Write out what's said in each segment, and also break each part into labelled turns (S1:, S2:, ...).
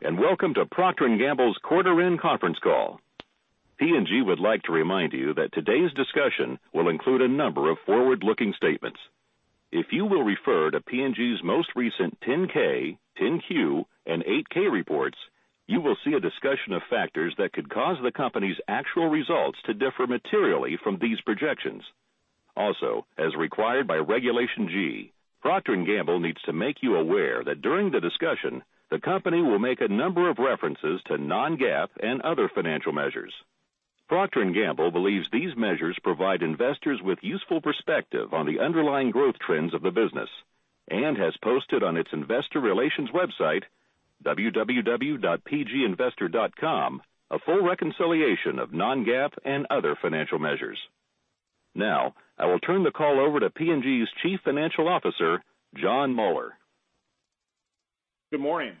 S1: Welcome to Procter & Gamble's quarter end conference call. P&G would like to remind you that today's discussion will include a number of forward-looking statements. If you will refer to P&G's most recent 10-K, 10-Q, and 8-K reports, you will see a discussion of factors that could cause the company's actual results to differ materially from these projections. Also, as required by Regulation G, Procter & Gamble needs to make you aware that during the discussion, the company will make a number of references to non-GAAP and other financial measures. Procter & Gamble believes these measures provide investors with useful perspective on the underlying growth trends of the business, and has posted on its investor relations website, www.pginvestor.com, a full reconciliation of non-GAAP and other financial measures. I will turn the call over to P&G's Chief Financial Officer, Jon Moeller.
S2: Good morning.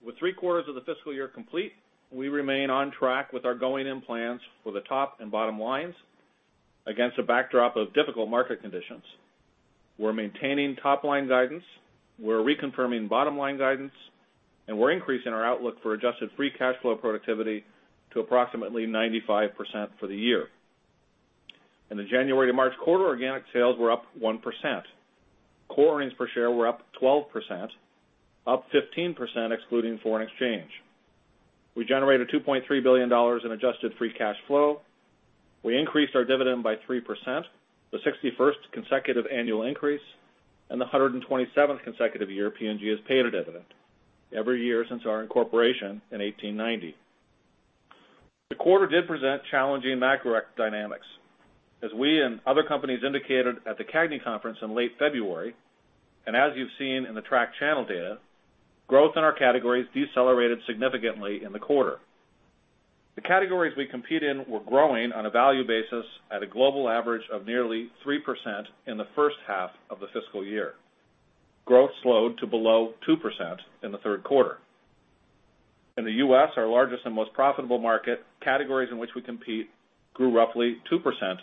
S2: With three quarters of the fiscal year complete, we remain on track with our going in plans for the top and bottom lines against a backdrop of difficult market conditions. We're maintaining top-line guidance. We're reconfirming bottom-line guidance, and we're increasing our outlook for adjusted free cash flow productivity to approximately 95% for the year. In the January to March quarter, organic sales were up 1%. Core earnings per share were up 12%, up 15% excluding foreign exchange. We generated $2.3 billion in adjusted free cash flow. We increased our dividend by 3%, the 61st consecutive annual increase, and the 127th consecutive year P&G has paid a dividend, every year since our incorporation in 1890. The quarter did present challenging macro dynamics. As we and other companies indicated at the CAGNY conference in late February, as you've seen in the track channel data, growth in our categories decelerated significantly in the quarter. The categories we compete in were growing on a value basis at a global average of nearly 3% in the first half of the fiscal year. Growth slowed to below 2% in the third quarter. In the U.S., our largest and most profitable market, categories in which we compete grew roughly 2%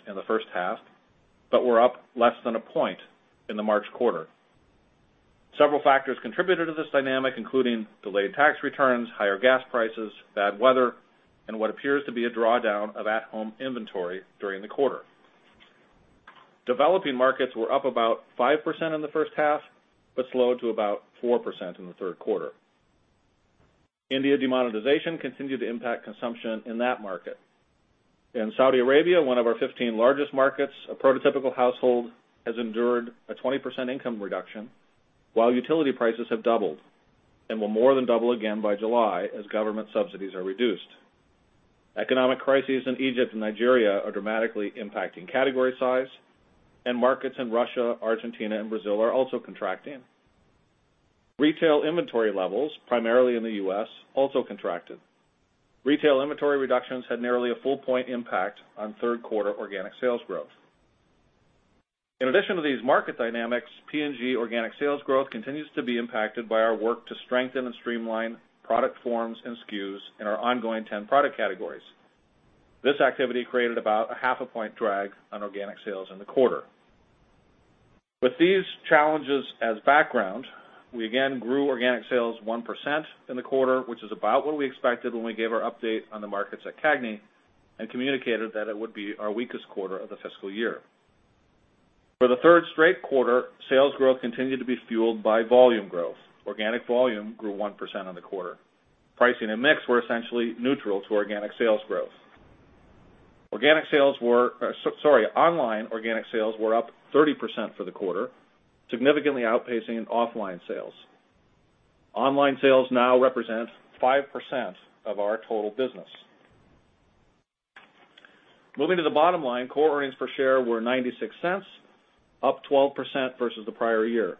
S2: in the first half, but were up less than a point in the March quarter. Several factors contributed to this dynamic, including delayed tax returns, higher gas prices, bad weather, and what appears to be a drawdown of at-home inventory during the quarter. Developing markets were up about 5% in the first half, but slowed to about 4% in the third quarter. India demonetization continued to impact consumption in that market. In Saudi Arabia, one of our 15 largest markets, a prototypical household has endured a 20% income reduction while utility prices have doubled, and will more than double again by July as government subsidies are reduced. Economic crises in Egypt and Nigeria are dramatically impacting category size, markets in Russia, Argentina, and Brazil are also contracting. Retail inventory levels, primarily in the U.S., also contracted. Retail inventory reductions had nearly a full point impact on third quarter organic sales growth. In addition to these market dynamics, P&G organic sales growth continues to be impacted by our work to strengthen and streamline product forms and SKUs in our ongoing 10 product categories. This activity created about a half a point drag on organic sales in the quarter. With these challenges as background, we again grew organic sales 1% in the quarter, which is about what we expected when we gave our update on the markets at CAGNY and communicated that it would be our weakest quarter of the fiscal year. For the third straight quarter, sales growth continued to be fueled by volume growth. Organic volume grew 1% in the quarter. Pricing and mix were essentially neutral to organic sales growth. Online organic sales were up 30% for the quarter, significantly outpacing offline sales. Online sales now represent 5% of our total business. Moving to the bottom line, core earnings per share were $0.96, up 12% versus the prior year.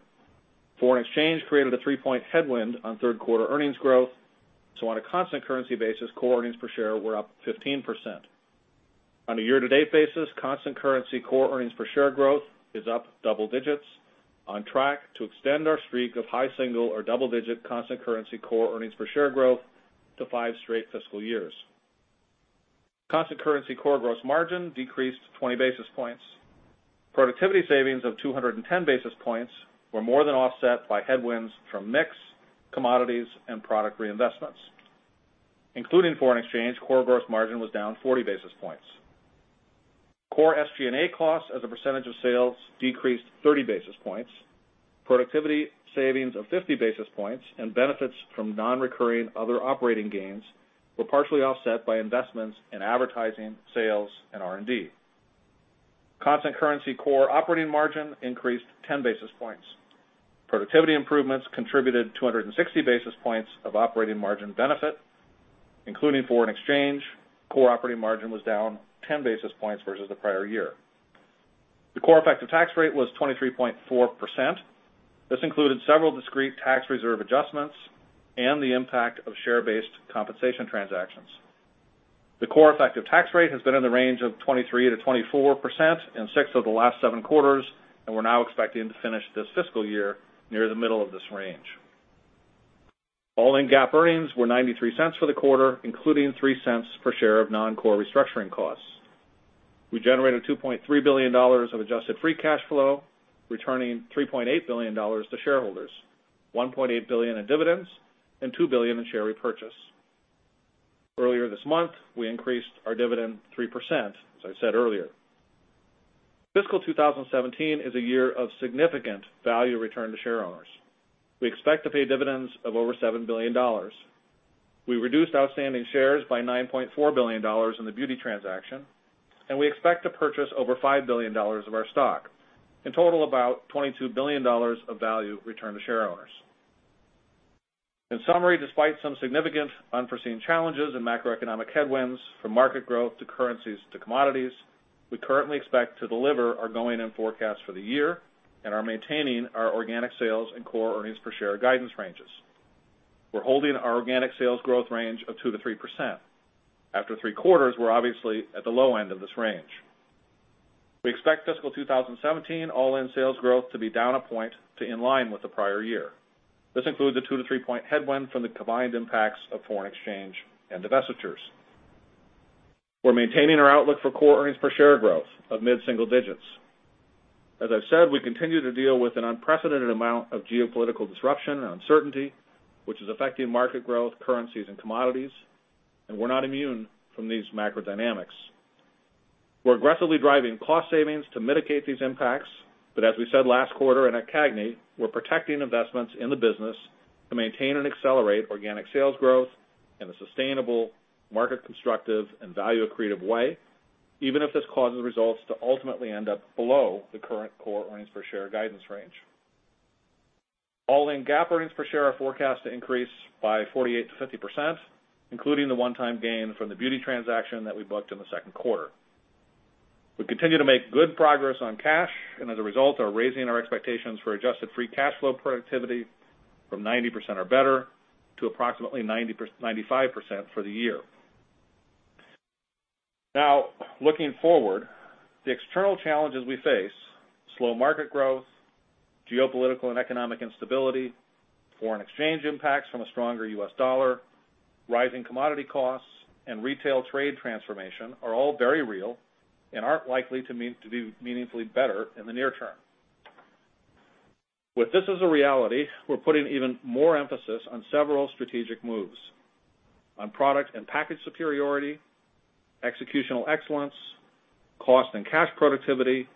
S2: Foreign exchange created a three-point headwind on third quarter earnings growth, on a constant currency basis, core earnings per share were up 15%. On a year-to-date basis, constant currency core earnings per share growth is up double digits, on track to extend our streak of high single or double-digit constant currency core earnings per share growth to five straight fiscal years. Constant currency core gross margin decreased 20 basis points. Productivity savings of 210 basis points were more than offset by headwinds from mix, commodities, and product reinvestments. Including foreign exchange, core gross margin was down 40 basis points. Core SG&A costs as a percentage of sales decreased 30 basis points. Productivity savings of 50 basis points and benefits from non-recurring other operating gains were partially offset by investments in advertising, sales, and R&D. Constant currency core operating margin increased 10 basis points. Productivity improvements contributed 260 basis points of operating margin benefit. Including foreign exchange, core operating margin was down 10 basis points versus the prior year. The core effective tax rate was 23.4%. This included several discrete tax reserve adjustments and the impact of share-based compensation transactions. The core effective tax rate has been in the range of 23%-24% in six of the last seven quarters, and we're now expecting to finish this fiscal year near the middle of this range. All-in GAAP earnings were $0.93 for the quarter, including $0.03 per share of non-core restructuring costs. We generated $2.3 billion of adjusted free cash flow, returning $3.8 billion to shareholders, $1.8 billion in dividends, and $2 billion in share repurchase. Earlier this month, we increased our dividend 3%, as I said earlier. Fiscal 2017 is a year of significant value return to shareowners. We expect to pay dividends of over $7 billion. We reduced outstanding shares by $9.4 billion in the Beauty transaction, we expect to purchase over $5 billion of our stock. In total, about $22 billion of value returned to shareowners. In summary, despite some significant unforeseen challenges and macroeconomic headwinds from market growth to currencies to commodities, we currently expect to deliver our going-in forecast for the year and are maintaining our organic sales and core earnings per share guidance ranges. We're holding our organic sales growth range of 2%-3%. After three quarters, we're obviously at the low end of this range. We expect fiscal 2017 all-in sales growth to be down a point to in line with the prior year. This includes a two- to three-point headwind from the combined impacts of foreign exchange and divestitures. We're maintaining our outlook for core earnings per share growth of mid-single digits. As I've said, we continue to deal with an unprecedented amount of geopolitical disruption and uncertainty, which is affecting market growth, currencies, and commodities. We're not immune from these macro dynamics. We're aggressively driving cost savings to mitigate these impacts. As we said last quarter and at CAGNY, we're protecting investments in the business to maintain and accelerate organic sales growth in a sustainable, market-constructive, and value-accretive way, even if this causes results to ultimately end up below the current core earnings per share guidance range. All-in GAAP earnings per share are forecast to increase by 48%-50%, including the one-time gain from the Beauty transaction that we booked in the second quarter. We continue to make good progress on cash. As a result, are raising our expectations for adjusted free cash flow productivity from 90% or better to approximately 95% for the year. Now, looking forward, the external challenges we face, slow market growth, geopolitical and economic instability, foreign exchange impacts from a stronger U.S. dollar, rising commodity costs, and retail trade transformation are all very real and aren't likely to be meaningfully better in the near term. With this as a reality, we're putting even more emphasis on several strategic moves, on product and package superiority, executional excellence, cost and cash productivity,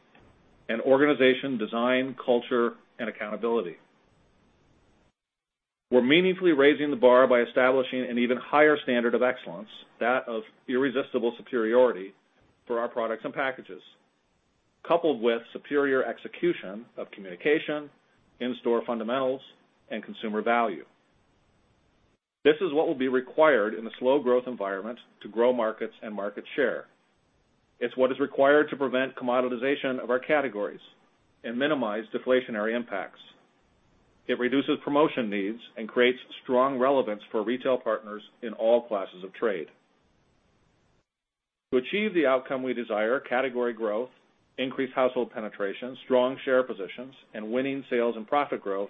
S2: and organization design, culture, and accountability. We're meaningfully raising the bar by establishing an even higher standard of excellence, that of irresistible superiority for our products and packages, coupled with superior execution of communication, in-store fundamentals, and consumer value. This is what will be required in a slow-growth environment to grow markets and market share. It's what is required to prevent commoditization of our categories and minimize deflationary impacts. It reduces promotion needs and creates strong relevance for retail partners in all classes of trade. To achieve the outcome we desire, category growth, increased household penetration, strong share positions, and winning sales and profit growth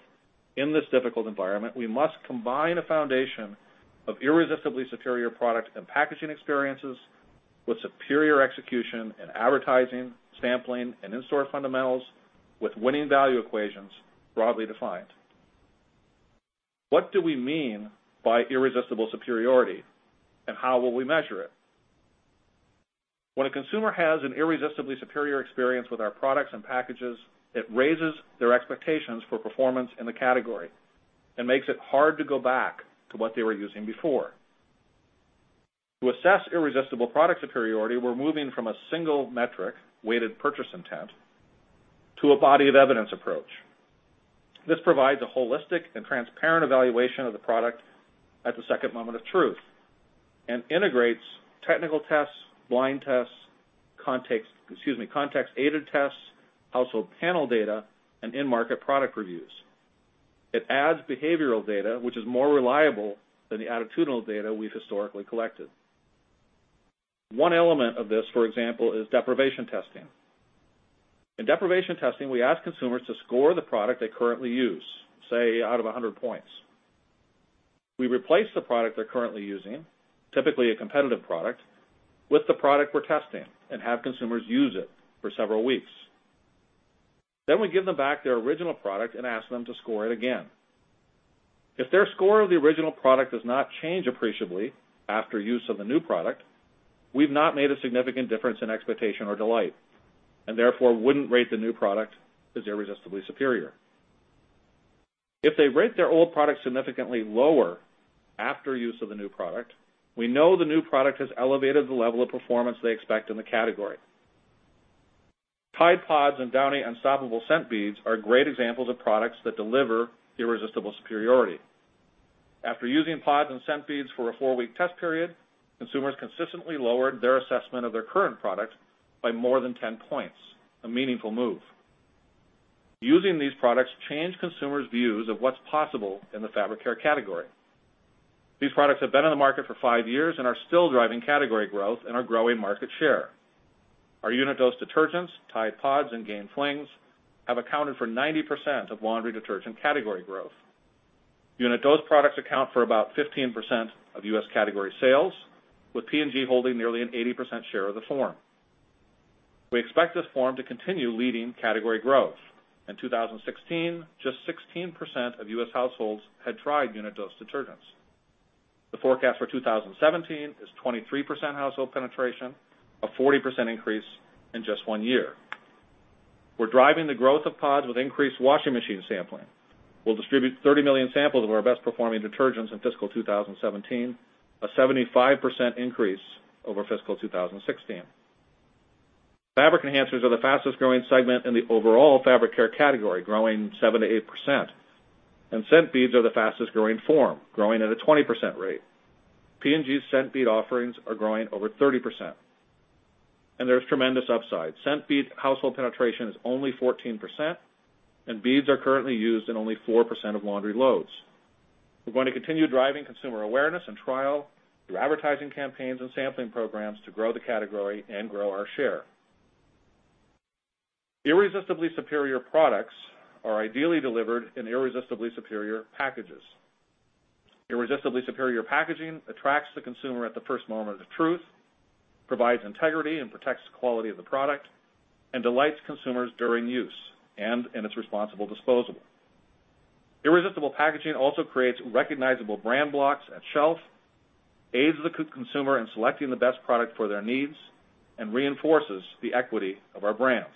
S2: in this difficult environment, we must combine a foundation of irresistibly superior product and packaging experiences with superior execution in advertising, sampling, and in-store fundamentals with winning value equations broadly defined. What do we mean by irresistible superiority, and how will we measure it? When a consumer has an irresistibly superior experience with our products and packages, it raises their expectations for performance in the category and makes it hard to go back to what they were using before. To assess irresistible product superiority, we're moving from a single metric, weighted purchase intent, to a body of evidence approach. This provides a holistic and transparent evaluation of the product at the second moment of truth. It integrates technical tests, blind tests, context-aided tests, household panel data, and in-market product reviews. It adds behavioral data, which is more reliable than the attitudinal data we've historically collected. One element of this, for example, is deprivation testing. In deprivation testing, we ask consumers to score the product they currently use, say, out of 100 points. We replace the product they're currently using, typically a competitive product, with the product we're testing and have consumers use it for several weeks. We give them back their original product and ask them to score it again. If their score of the original product does not change appreciably after use of the new product, we've not made a significant difference in expectation or delight. Therefore, wouldn't rate the new product as irresistibly superior. If they rate their old product significantly lower after use of the new product, we know the new product has elevated the level of performance they expect in the category. Tide Pods and Downy Unstopables Scent Beads are great examples of products that deliver irresistible superiority. After using Pods and Scent Beads for a four-week test period, consumers consistently lowered their assessment of their current product by more than 10 points, a meaningful move. Using these products changed consumers' views of what's possible in the fabric care category. These products have been on the market for five years and are still driving category growth and are growing market share. Our unit-dose detergents, Tide Pods and Gain Flings, have accounted for 90% of laundry detergent category growth. Unit dose products account for about 15% of U.S. category sales, with P&G holding nearly an 80% share of the form. We expect this form to continue leading category growth. In 2016, just 16% of U.S. households had tried unit dose detergents. The forecast for 2017 is 23% household penetration, a 40% increase in just one year. We're driving the growth of Pods with increased washing machine sampling. We'll distribute 30 million samples of our best-performing detergents in fiscal 2017, a 75% increase over fiscal 2016. Fabric enhancers are the fastest-growing segment in the overall fabric care category, growing 7%-8%, and Scent Beads are the fastest-growing form, growing at a 20% rate. P&G's Scent Bead offerings are growing over 30%, and there's tremendous upside. Scent Bead household penetration is only 14%, and Beads are currently used in only 4% of laundry loads. We're going to continue driving consumer awareness and trial through advertising campaigns and sampling programs to grow the category and grow our share. Irresistibly superior products are ideally delivered in irresistibly superior packages. Irresistibly superior packaging attracts the consumer at the first moment of truth, provides integrity, and protects the quality of the product, and delights consumers during use and in its responsible disposal. Irresistible packaging also creates recognizable brand blocks at shelf, aids the consumer in selecting the best product for their needs, and reinforces the equity of our brands.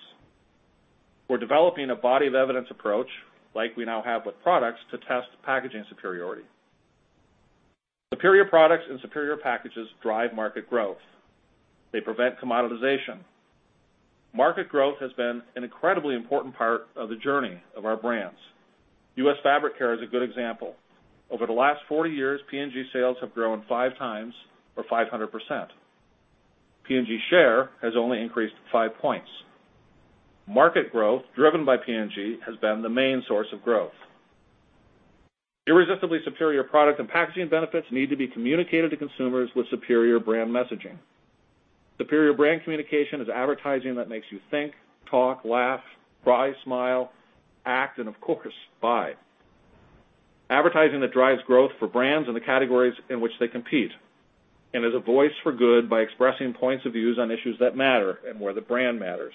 S2: We're developing a body of evidence approach, like we now have with products, to test packaging superiority. Superior products and superior packages drive market growth. They prevent commoditization. Market growth has been an incredibly important part of the journey of our brands. U.S. fabric care is a good example. Over the last 40 years, P&G sales have grown five times or 500%. P&G share has only increased five points. Market growth driven by P&G has been the main source of growth. Irresistibly superior product and packaging benefits need to be communicated to consumers with superior brand messaging. Superior brand communication is advertising that makes you think, talk, laugh, cry, smile, act, and of course, buy. Advertising that drives growth for brands and the categories in which they compete, and is a voice for good by expressing points of views on issues that matter and where the brand matters.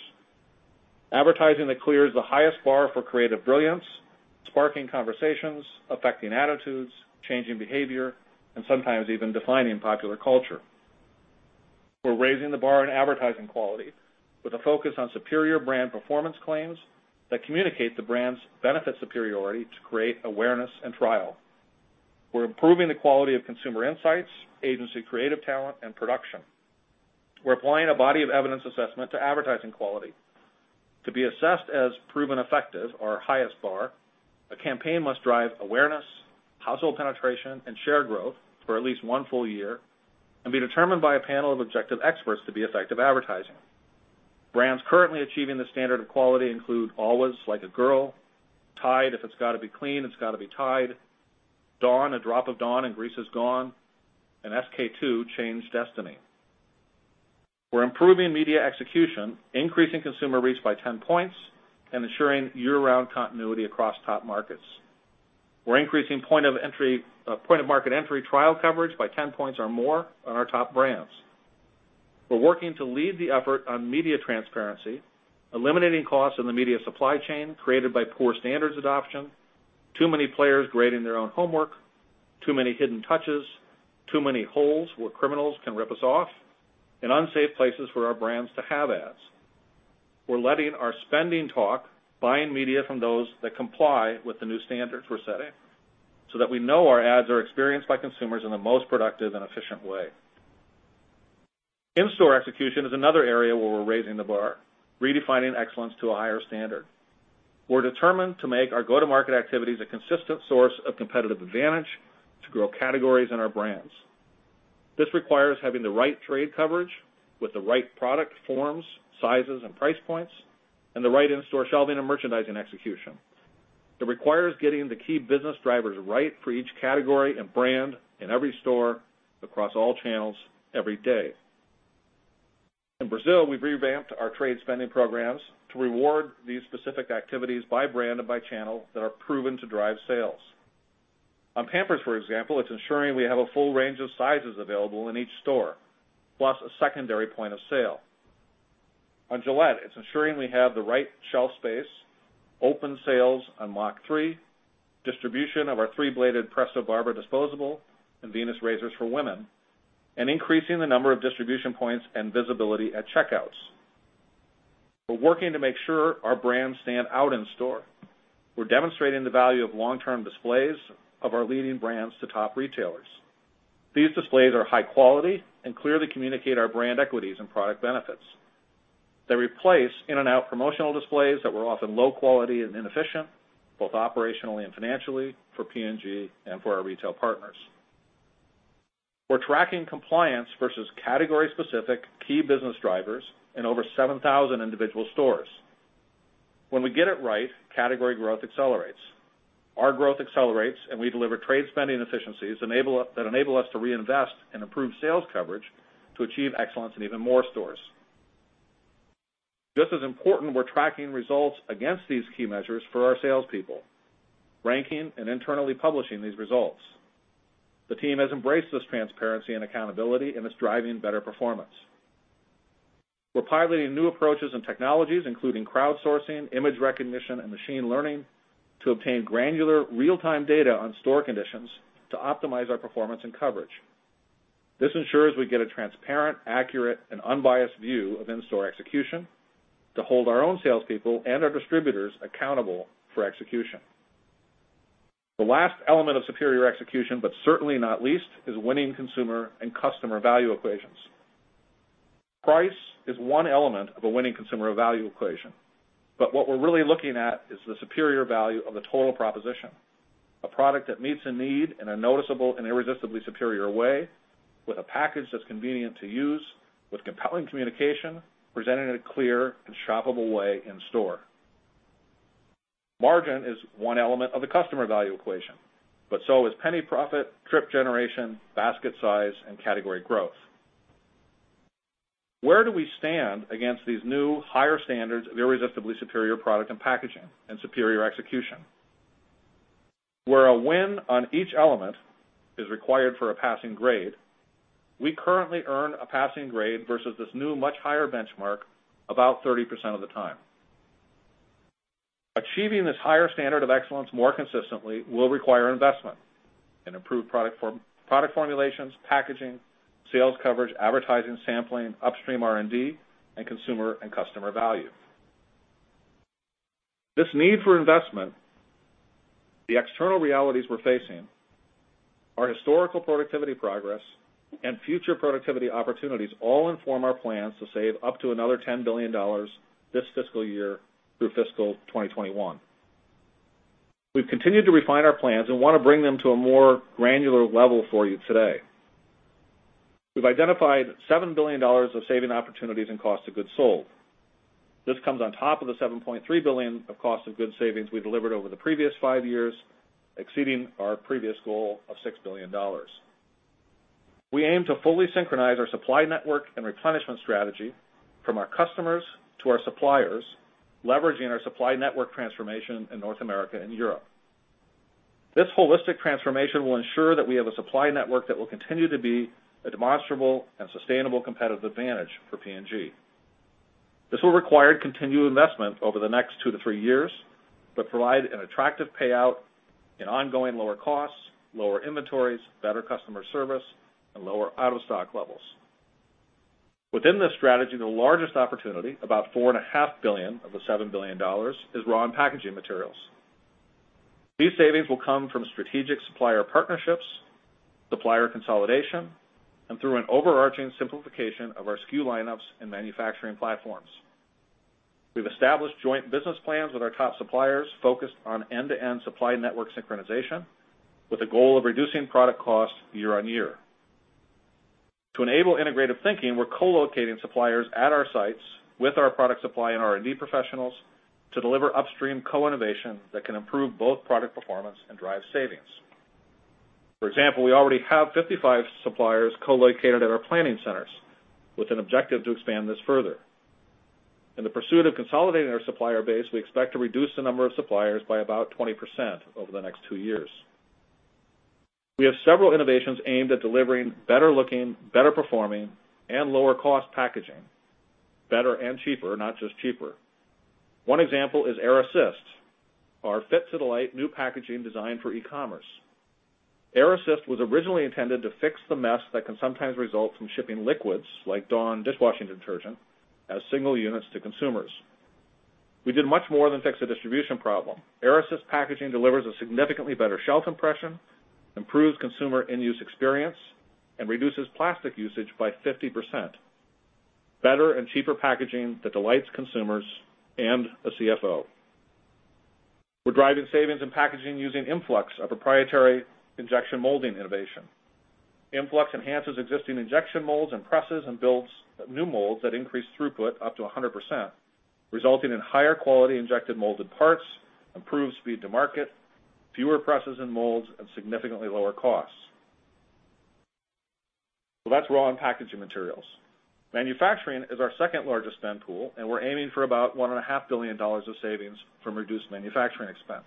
S2: Advertising that clears the highest bar for creative brilliance, sparking conversations, affecting attitudes, changing behavior, and sometimes even defining popular culture. We're raising the bar on advertising quality with a focus on superior brand performance claims that communicate the brand's benefit superiority to create awareness and trial. We're improving the quality of consumer insights, agency creative talent, and production. We're applying a body of evidence assessment to advertising quality. To be assessed as proven effective, our highest bar, a campaign must drive awareness, household penetration, and share growth for at least one full year, and be determined by a panel of objective experts to be effective advertising. Brands currently achieving this standard of quality include Always Like a Girl, Tide, if it's got to be clean, it's got to be Tide, Dawn, a drop of Dawn and grease is gone, and SK-II Change Destiny. We're improving media execution, increasing consumer reach by 10 points, and ensuring year-round continuity across top markets. We're increasing point-of-market entry trial coverage by 10 points or more on our top brands. We're working to lead the effort on media transparency, eliminating costs in the media supply chain created by poor standards adoption, too many players grading their own homework, too many hidden touches, too many holes where criminals can rip us off, unsafe places for our brands to have ads. We're letting our spending talk, buying media from those that comply with the new standards we're setting so that we know our ads are experienced by consumers in the most productive and efficient way. In-store execution is another area where we're raising the bar, redefining excellence to a higher standard. We're determined to make our go-to-market activities a consistent source of competitive advantage to grow categories and our brands. This requires having the right trade coverage with the right product forms, sizes, and price points, and the right in-store shelving and merchandising execution. It requires getting the key business drivers right for each category and brand in every store across all channels every day. In Brazil, we've revamped our trade spending programs to reward these specific activities by brand and by channel that are proven to drive sales. On Pampers, for example, it's ensuring we have a full range of sizes available in each store, plus a secondary point of sale. On Gillette, it's ensuring we have the right shelf space, open sales on Mach3, distribution of our three-bladed Prestobarba disposable and Venus razors for women, and increasing the number of distribution points and visibility at checkouts. We're working to make sure our brands stand out in store. We're demonstrating the value of long-term displays of our leading brands to top retailers. These displays are high quality and clearly communicate our brand equities and product benefits. They replace in-and-out promotional displays that were often low quality and inefficient, both operationally and financially for P&G and for our retail partners. We're tracking compliance versus category-specific key business drivers in over 7,000 individual stores. When we get it right, category growth accelerates. Our growth accelerates, and we deliver trade spending efficiencies that enable us to reinvest and improve sales coverage to achieve excellence in even more stores. Just as important, we're tracking results against these key measures for our salespeople, ranking and internally publishing these results. The team has embraced this transparency and accountability, and it's driving better performance. We're piloting new approaches and technologies, including crowdsourcing, image recognition, and machine learning to obtain granular real-time data on store conditions to optimize our performance and coverage. This ensures we get a transparent, accurate, and unbiased view of in-store execution to hold our own salespeople and our distributors accountable for execution. The last element of superior execution, but certainly not least, is winning consumer and customer value equations. Price is one element of a winning consumer value equation. What we are really looking at is the superior value of the total proposition. A product that meets a need in a noticeable and irresistibly superior way, with a package that is convenient to use, with compelling communication, presented in a clear and shoppable way in store. Margin is one element of the customer value equation, but so is penny profit, trip generation, basket size, and category growth. Where do we stand against these new higher standards of irresistibly superior product and packaging and superior execution? Where a win on each element is required for a passing grade, we currently earn a passing grade versus this new, much higher benchmark about 30% of the time. Achieving this higher standard of excellence more consistently will require investment in improved product formulations, packaging, sales coverage, advertising, sampling, upstream R&D, and consumer and customer value. This need for investment, the external realities we are facing, our historical productivity progress, and future productivity opportunities all inform our plans to save up to another $10 billion this fiscal year through fiscal 2021. We have continued to refine our plans and want to bring them to a more granular level for you today. We have identified $7 billion of saving opportunities in cost of goods sold. This comes on top of the $7.3 billion of cost of goods savings we delivered over the previous five years, exceeding our previous goal of $6 billion. We aim to fully synchronize our supply network and replenishment strategy from our customers to our suppliers, leveraging our supply network transformation in North America and Europe. This holistic transformation will ensure that we have a supply network that will continue to be a demonstrable and sustainable competitive advantage for P&G. This will require continued investment over the next two to three years, but provide an attractive payout in ongoing lower costs, lower inventories, better customer service, and lower out-of-stock levels. Within this strategy, the largest opportunity, about $4.5 billion of the $7 billion, is raw and packaging materials. These savings will come from strategic supplier partnerships, supplier consolidation, and through an overarching simplification of our SKU lineups and manufacturing platforms. We have established joint business plans with our top suppliers focused on end-to-end supply network synchronization with the goal of reducing product cost year on year. To enable integrative thinking, we are co-locating suppliers at our sites with our product supply and R&D professionals to deliver upstream co-innovation that can improve both product performance and drive savings. For example, we already have 55 suppliers co-located at our planning centers with an objective to expand this further. In the pursuit of consolidating our supplier base, we expect to reduce the number of suppliers by about 20% over the next two years. We have several innovations aimed at delivering better looking, better performing, and lower cost packaging. Better and cheaper, not just cheaper. One example is Air Assist, our fit-to-delight new packaging designed for e-commerce. Air Assist was originally intended to fix the mess that can sometimes result from shipping liquids like Dawn dishwashing detergent as single units to consumers. We did much more than fix a distribution problem. Air Assist packaging delivers a significantly better shelf impression, improves consumer in-use experience, and reduces plastic usage by 50%. Better and cheaper packaging that delights consumers and a CFO. We're driving savings in packaging using iMFLUX, a proprietary injection molding innovation. iMFLUX enhances existing injection molds and presses and builds new molds that increase throughput up to 100%, resulting in higher quality injected molded parts, improved speed to market, fewer presses and molds, and significantly lower costs. That's raw and packaging materials. Manufacturing is our second largest spend pool, and we're aiming for about $1.5 billion of savings from reduced manufacturing expense.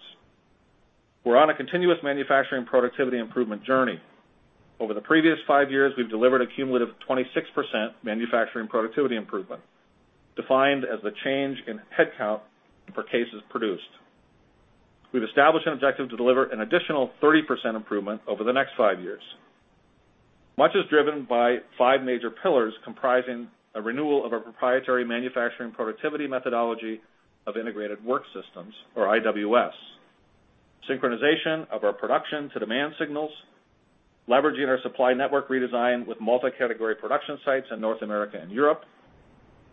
S2: We're on a continuous manufacturing productivity improvement journey. Over the previous five years, we've delivered a cumulative 26% manufacturing productivity improvement, defined as the change in headcount per cases produced. We've established an objective to deliver an additional 30% improvement over the next five years. Much is driven by five major pillars comprising a renewal of our proprietary manufacturing productivity methodology of integrated work systems, or IWS. Synchronization of our production to demand signals, leveraging our supply network redesign with multi-category production sites in North America and Europe,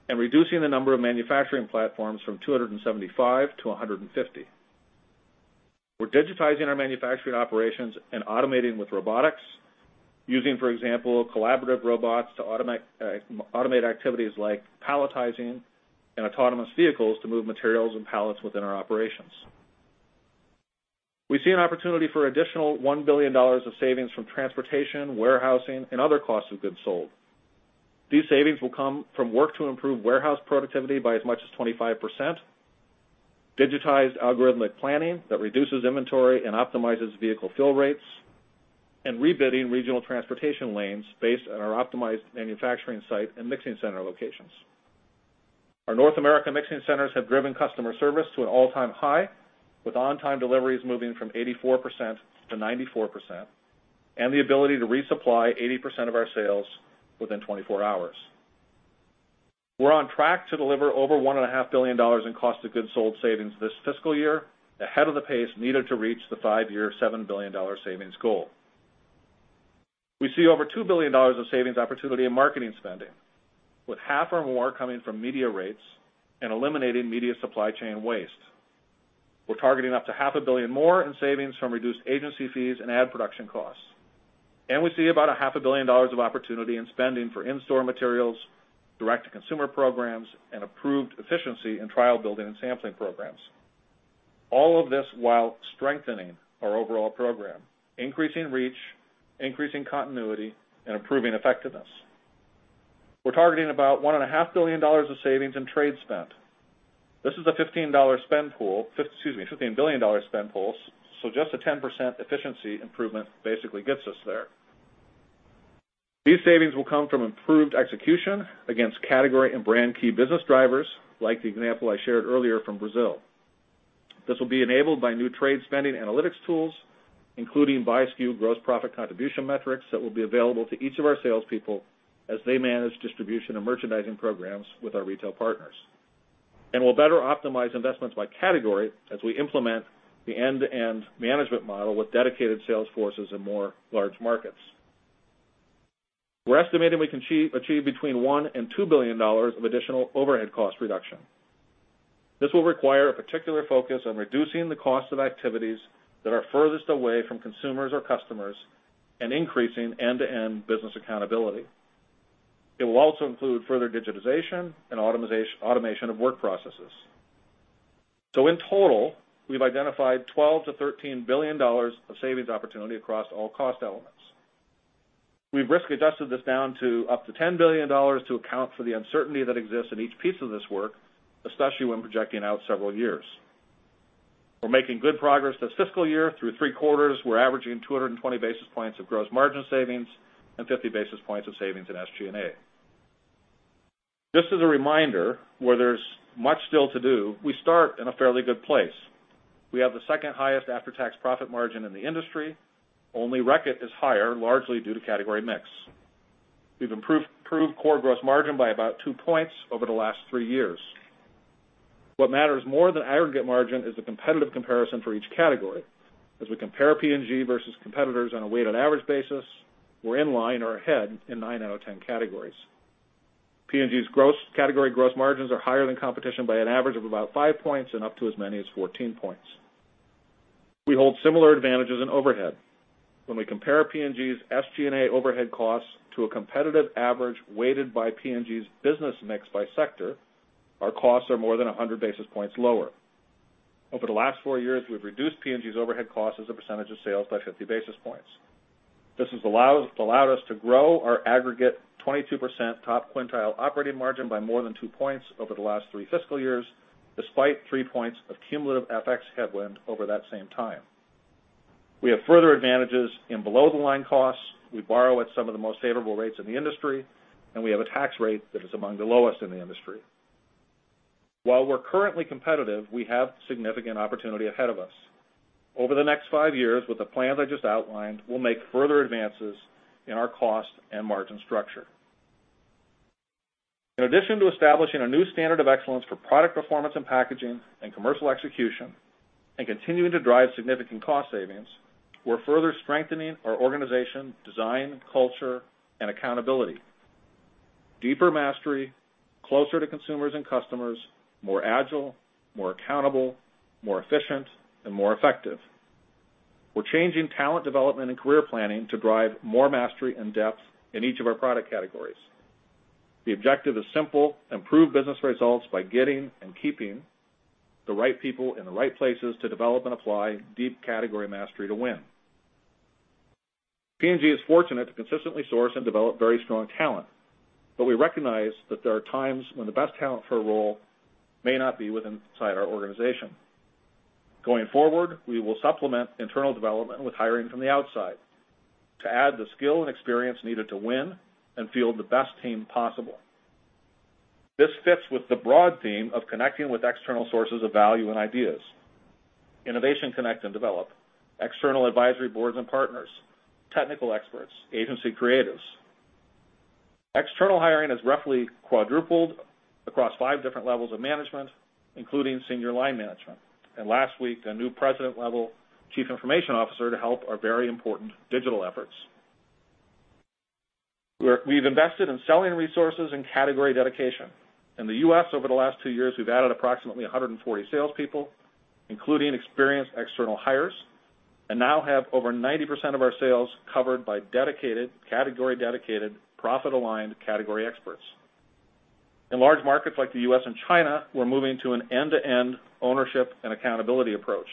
S2: and reducing the number of manufacturing platforms from 275 to 150. We're digitizing our manufacturing operations and automating with robotics, using, for example, collaborative robots to automate activities like palletizing and autonomous vehicles to move materials and pallets within our operations. We see an opportunity for additional $1 billion of savings from transportation, warehousing, and other costs of goods sold. These savings will come from work to improve warehouse productivity by as much as 25%, digitized algorithmic planning that reduces inventory and optimizes vehicle fill rates, and rebidding regional transportation lanes based on our optimized manufacturing site and mixing center locations. Our North America mixing centers have driven customer service to an all-time high, with on-time deliveries moving from 84% to 94%, and the ability to resupply 80% of our sales within 24 hours. We're on track to deliver over $1.5 billion in cost of goods sold savings this fiscal year, ahead of the pace needed to reach the five-year, $7 billion savings goal. We see over $2 billion of savings opportunity in marketing spending, with half or more coming from media rates and eliminating media supply chain waste. We're targeting up to half a billion more in savings from reduced agency fees and ad production costs. We see about a half a billion dollars of opportunity in spending for in-store materials, direct-to-consumer programs, and improved efficiency in trial building and sampling programs. All of this while strengthening our overall program, increasing reach, increasing continuity, and improving effectiveness. We're targeting about $1.5 billion of savings in trade spend. This is a $15 billion spend pool, just a 10% efficiency improvement basically gets us there. These savings will come from improved execution against category and brand key business drivers, like the example I shared earlier from Brazil. This will be enabled by new trade spending analytics tools, including by SKU gross profit contribution metrics that will be available to each of our salespeople as they manage distribution and merchandising programs with our retail partners. We'll better optimize investments by category as we implement the end-to-end management model with dedicated sales forces in more large markets. We're estimating we can achieve between $1 billion and $2 billion of additional overhead cost reduction. This will require a particular focus on reducing the cost of activities that are furthest away from consumers or customers and increasing end-to-end business accountability. It will also include further digitization and automation of work processes. In total, we've identified $12 billion-$13 billion of savings opportunity across all cost elements. We've risk-adjusted this down to up to $10 billion to account for the uncertainty that exists in each piece of this work, especially when projecting out several years. We're making good progress this fiscal year. Through three quarters, we're averaging 220 basis points of gross margin savings and 50 basis points of savings in SG&A. Just as a reminder, where there's much still to do, we start in a fairly good place. We have the second highest after-tax profit margin in the industry. Only Reckitt is higher, largely due to category mix. We've improved core gross margin by about two points over the last three years. What matters more than aggregate margin is the competitive comparison for each category. As we compare P&G versus competitors on a weighted average basis, we're in line or ahead in nine out of 10 categories. P&G's category gross margins are higher than competition by an average of about five points and up to as many as 14 points. We hold similar advantages in overhead. When we compare P&G's SG&A overhead costs to a competitive average weighted by P&G's business mix by sector, our costs are more than 100 basis points lower. Over the last four years, we've reduced P&G's overhead costs as a percentage of sales by 50 basis points. This has allowed us to grow our aggregate 22% top quintile operating margin by more than 2 points over the last three fiscal years, despite three points of cumulative FX headwind over that same time. We have further advantages in below-the-line costs. We borrow at some of the most favorable rates in the industry. We have a tax rate that is among the lowest in the industry. While we're currently competitive, we have significant opportunity ahead of us. Over the next five years, with the plan I just outlined, we'll make further advances in our cost and margin structure. In addition to establishing a new standard of excellence for product performance and packaging and commercial execution, continuing to drive significant cost savings, we're further strengthening our organization, design, culture, and accountability. Deeper mastery, closer to consumers and customers, more agile, more accountable, more efficient, and more effective. We're changing talent development and career planning to drive more mastery and depth in each of our product categories. The objective is simple: improve business results by getting and keeping the right people in the right places to develop and apply deep category mastery to win. P&G is fortunate to consistently source and develop very strong talent. We recognize that there are times when the best talent for a role may not be within our organization. Going forward, we will supplement internal development with hiring from the outside to add the skill and experience needed to win and field the best team possible. This fits with the broad theme of connecting with external sources of value and ideas. Innovation Connect + Develop, external advisory boards and partners, technical experts, agency creatives. External hiring has roughly quadrupled across five different levels of management, including senior line management. Last week, a new president-level chief information officer to help our very important digital efforts. We've invested in selling resources and category dedication. In the U.S., over the last two years, we've added approximately 140 salespeople, including experienced external hires, and now have over 90% of our sales covered by category-dedicated, profit-aligned category experts. In large markets like the U.S. and China, we're moving to an end-to-end ownership and accountability approach.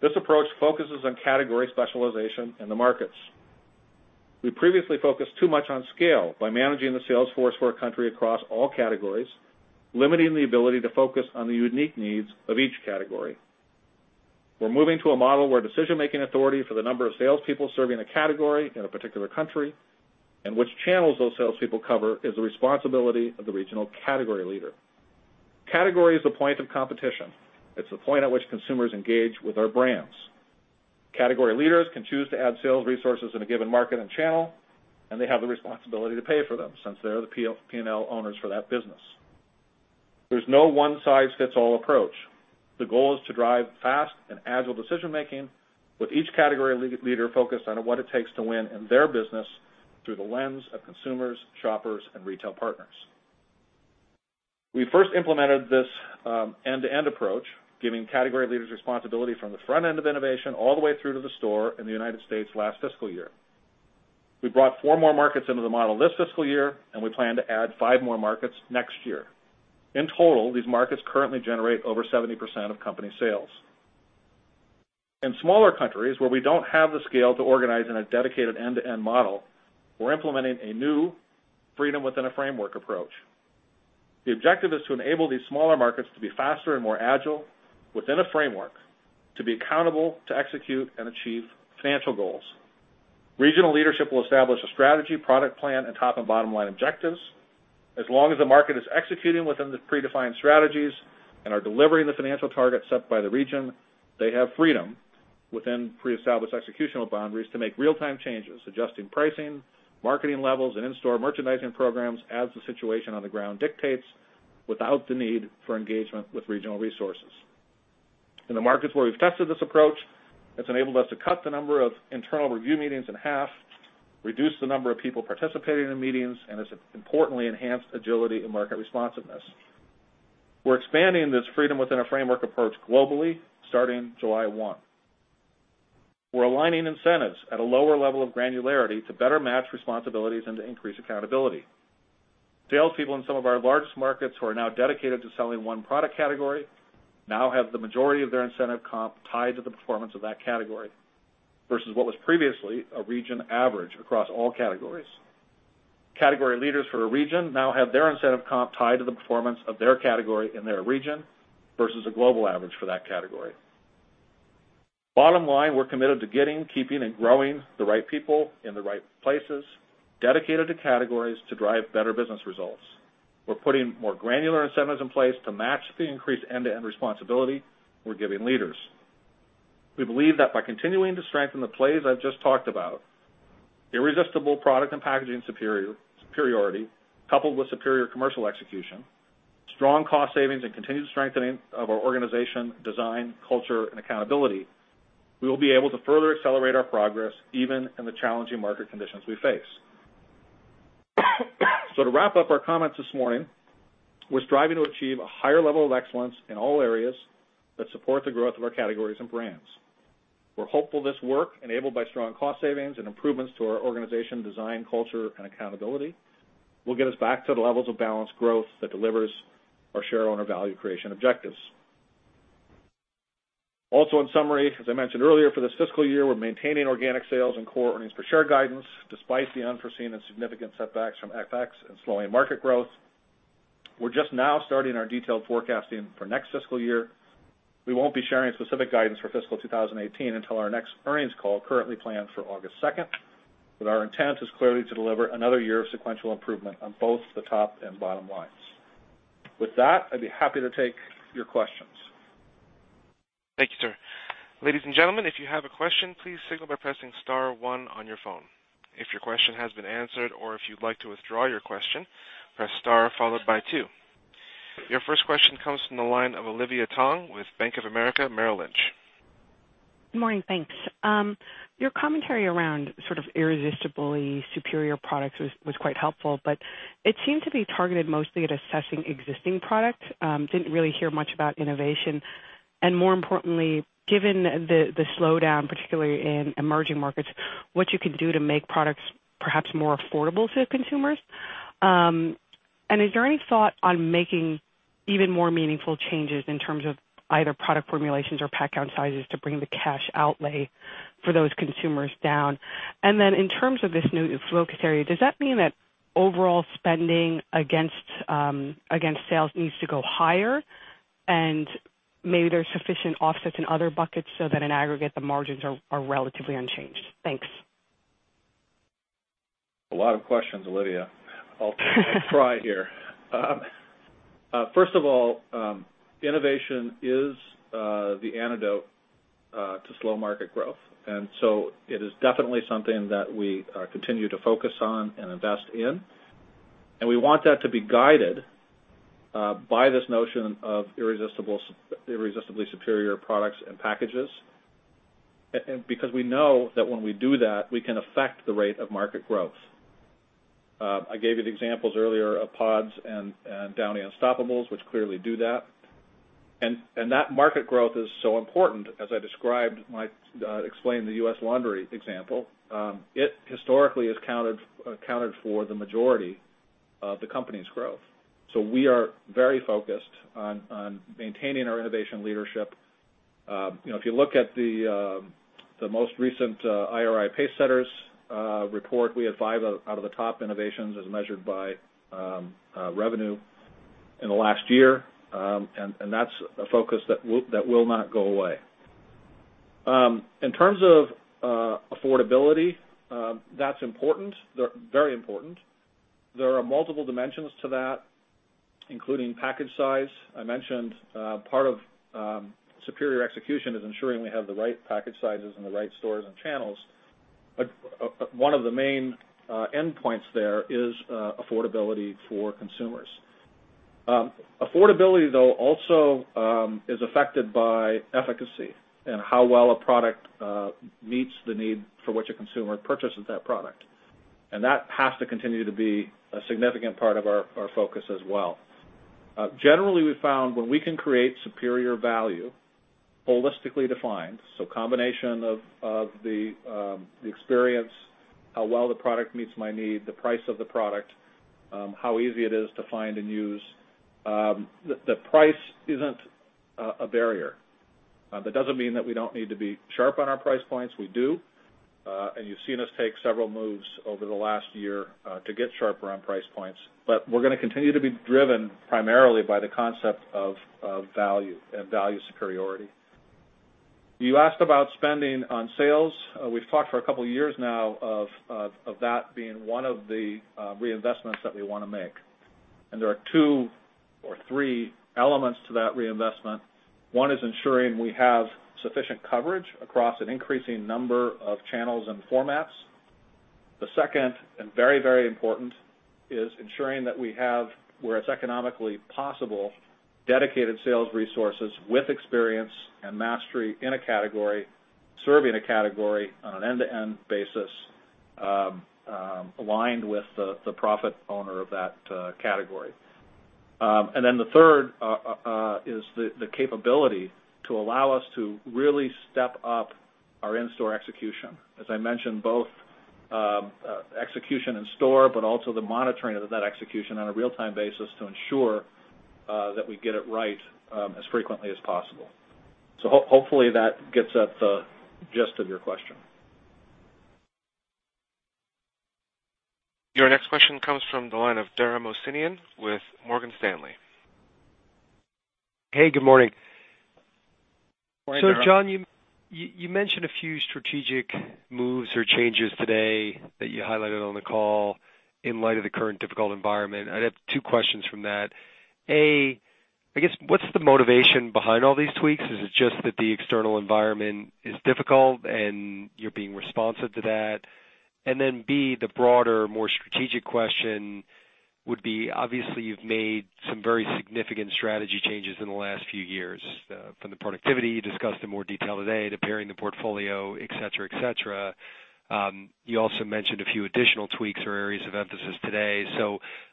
S2: This approach focuses on category specialization in the markets. We previously focused too much on scale by managing the sales force for a country across all categories, limiting the ability to focus on the unique needs of each category. We're moving to a model where decision-making authority for the number of salespeople serving a category in a particular country, and which channels those salespeople cover, is the responsibility of the regional category leader. Category is the point of competition. It's the point at which consumers engage with our brands. Category leaders can choose to add sales resources in a given market and channel, and they have the responsibility to pay for them since they're the P&L owners for that business. There's no one-size-fits-all approach. The goal is to drive fast and agile decision-making with each category leader focused on what it takes to win in their business through the lens of consumers, shoppers, and retail partners. We first implemented this end-to-end approach, giving category leaders responsibility from the front end of innovation all the way through to the store in the United States last fiscal year. We brought four more markets into the model this fiscal year, and we plan to add five more markets next year. In total, these markets currently generate over 70% of company sales. In smaller countries where we don't have the scale to organize in a dedicated end-to-end model, we're implementing a new freedom within a framework approach. The objective is to enable these smaller markets to be faster and more agile within a framework to be accountable, to execute and achieve financial goals. Regional leadership will establish a strategy, product plan, and top and bottom-line objectives. As long as the market is executing within the predefined strategies and are delivering the financial targets set by the region, they have freedom within pre-established executional boundaries to make real-time changes, adjusting pricing, marketing levels, and in-store merchandising programs as the situation on the ground dictates, without the need for engagement with regional resources. In the markets where we've tested this approach, it's enabled us to cut the number of internal review meetings in half, reduce the number of people participating in meetings, and has importantly enhanced agility and market responsiveness. We're expanding this freedom within a framework approach globally starting July 1. We're aligning incentives at a lower level of granularity to better match responsibilities and to increase accountability. Salespeople in some of our largest markets who are now dedicated to selling 1 product category now have the majority of their incentive comp tied to the performance of that category versus what was previously a region average across all categories. Category leaders for a region now have their incentive comp tied to the performance of their category in their region versus a global average for that category. Bottom line, we're committed to getting, keeping, and growing the right people in the right places, dedicated to categories to drive better business results. We're putting more granular incentives in place to match the increased end-to-end responsibility we're giving leaders. We believe that by continuing to strengthen the plays I've just talked about, Irresistible Product and Packaging Superiority, coupled with superior commercial execution, strong cost savings, and continued strengthening of our organization, design, culture, and accountability, we will be able to further accelerate our progress even in the challenging market conditions we face. To wrap up our comments this morning, we're striving to achieve a higher level of excellence in all areas that support the growth of our categories and brands. We're hopeful this work, enabled by strong cost savings and improvements to our organization design, culture, and accountability, will get us back to the levels of balanced growth that delivers our shareowner value creation objectives. In summary, as I mentioned earlier, for this fiscal year, we're maintaining organic sales and core earnings per share guidance despite the unforeseen and significant setbacks from FX and slowing market growth. We're just now starting our detailed forecasting for next fiscal year. We won't be sharing specific guidance for fiscal 2018 until our next earnings call, currently planned for August 2nd, but our intent is clearly to deliver another year of sequential improvement on both the top and bottom lines. With that, I'd be happy to take your questions.
S1: Thank you, sir. Ladies and gentlemen, if you have a question, please signal by pressing star one on your phone. If your question has been answered or if you'd like to withdraw your question, press star followed by two. Your first question comes from the line of Olivia Tong with Bank of America Merrill Lynch.
S3: Good morning. Thanks. Your commentary around irresistibly superior products was quite helpful, it seemed to be targeted mostly at assessing existing products. Didn't really hear much about innovation, and more importantly, given the slowdown, particularly in emerging markets, what you can do to make products perhaps more affordable to consumers. Is there any thought on making even more meaningful changes in terms of either product formulations or pack count sizes to bring the cash outlay for those consumers down? Then in terms of this new focus area, does that mean that overall spending against sales needs to go higher? Maybe there's sufficient offsets in other buckets so that in aggregate, the margins are relatively unchanged. Thanks.
S2: A lot of questions, Olivia. I'll try here. So it is definitely something that we continue to focus on and invest in. We want that to be guided by this notion of irresistibly superior products and packages. Because we know that when we do that, we can affect the rate of market growth. I gave you the examples earlier of Pods and Downy Unstopables, which clearly do that. That market growth is so important, as I explained the U.S. laundry example. It historically has accounted for the majority of the company's growth. We are very focused on maintaining our innovation leadership. If you look at the most recent IRI PaceSetters report, we had five out of the top innovations as measured by revenue in the last year, and that's a focus that will not go away. In terms of affordability, that's very important. There are multiple dimensions to that, including package size. I mentioned part of superior execution is ensuring we have the right package sizes in the right stores and channels. One of the main endpoints there is affordability for consumers. Affordability, though, also is affected by efficacy and how well a product meets the need for which a consumer purchases that product. That has to continue to be a significant part of our focus as well. Generally, we've found when we can create superior value, holistically defined, so combination of the experience, how well the product meets my need, the price of the product, how easy it is to find and use, the price isn't a barrier. That doesn't mean that we don't need to be sharp on our price points. We do. You've seen us take several moves over the last year to get sharper on price points. We're going to continue to be driven primarily by the concept of value and value superiority. You asked about spending on sales. We've talked for a couple of years now of that being one of the reinvestments that we want to make, and there are two or three elements to that reinvestment. One is ensuring we have sufficient coverage across an increasing number of channels and formats. The second, and very important, is ensuring that we have, where it's economically possible, dedicated sales resources with experience and mastery in a category, serving a category on an end-to-end basis, aligned with the profit owner of that category. Then the third is the capability to allow us to really step up our in-store execution. As I mentioned, both execution in store, but also the monitoring of that execution on a real-time basis to ensure that we get it right as frequently as possible. Hopefully, that gets at the gist of your question.
S1: Your next question comes from the line of Dara Mohsenian with Morgan Stanley.
S4: Hey, good morning.
S2: Morning, Dara.
S4: Jon, you mentioned a few strategic moves or changes today that you highlighted on the call in light of the current difficult environment. I'd have two questions from that. A, I guess what's the motivation behind all these tweaks? Is it just that the external environment is difficult and you're being responsive to that? B, the broader, more strategic question would be, obviously, you've made some very significant strategy changes in the last few years, from the productivity you discussed in more detail today to paring the portfolio, et cetera. You also mentioned a few additional tweaks or areas of emphasis today.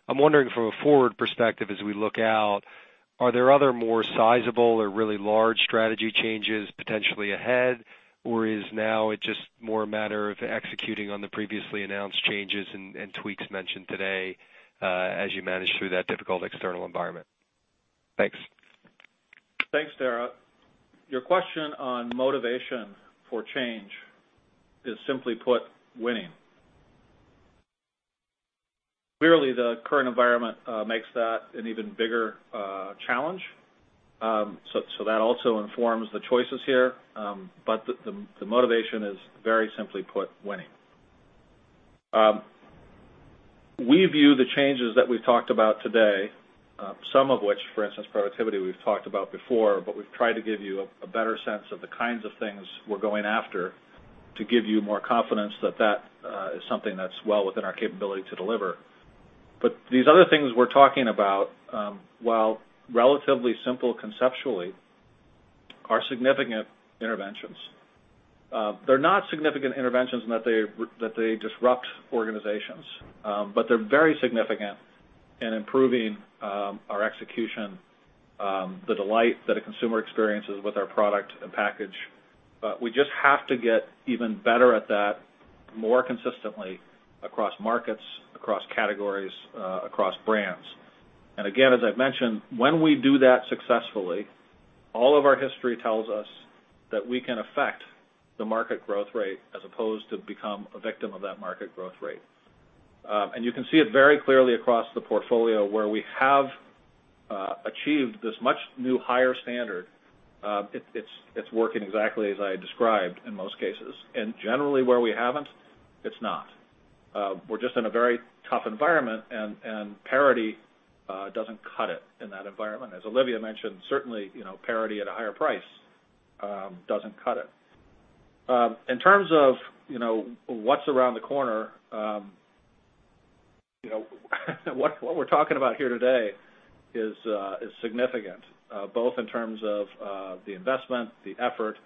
S4: I'm wondering from a forward perspective, as we look out, are there other more sizable or really large strategy changes potentially ahead, or is now it just more a matter of executing on the previously announced changes and tweaks mentioned today as you manage through that difficult external environment? Thanks.
S2: Thanks, Dara. Your question on motivation for change is, simply put, winning. Clearly, the current environment makes that an even bigger challenge, that also informs the choices here, the motivation is, very simply put, winning. We view the changes that we've talked about today, some of which, for instance, productivity we've talked about before, we've tried to give you a better sense of the kinds of things we're going after to give you more confidence that that is something that's well within our capability to deliver. These other things we're talking about, while relatively simple conceptually, are significant interventions. They're not significant interventions in that they disrupt organizations, they're very significant in improving our execution, the delight that a consumer experiences with our product and package. We just have to get even better at that more consistently across markets, across categories, across brands. Again, as I've mentioned, when we do that successfully, all of our history tells us that we can affect the market growth rate as opposed to become a victim of that market growth rate. You can see it very clearly across the portfolio where we have achieved this much new, higher standard. It's working exactly as I described in most cases. Generally where we haven't, it's not. We're just in a very tough environment, parity doesn't cut it in that environment. As Olivia mentioned, certainly, parity at a higher price doesn't cut it. In terms of what's around the corner, what we're talking about here today is significant, both in terms of the investment, the effort,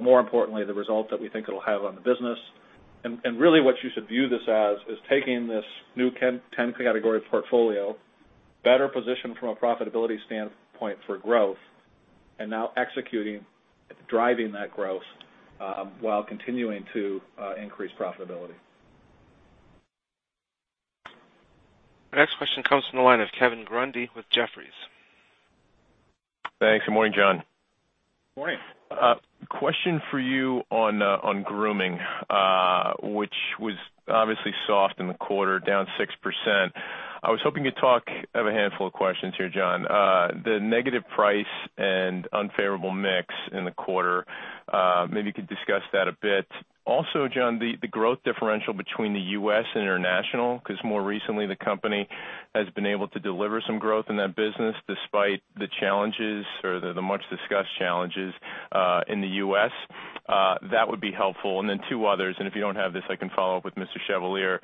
S2: more importantly, the result that we think it'll have on the business. Really what you should view this as is taking this new 10 category portfolio, better positioned from a profitability standpoint for growth, now executing, driving that growth, while continuing to increase profitability.
S1: The next question comes from the line of Kevin Grundy with Jefferies.
S5: Thanks. Good morning, Jon.
S2: Morning.
S5: Question for you on grooming, which was obviously soft in the quarter, down 6%. I have a handful of questions here, Jon. The negative price and unfavorable mix in the quarter, maybe you could discuss that a bit. Also, Jon, the growth differential between the U.S. and international, because more recently, the company has been able to deliver some growth in that business despite the challenges or the much-discussed challenges, in the U.S. That would be helpful. Two others. If you don't have this, I can follow up with Mr. Chevalier.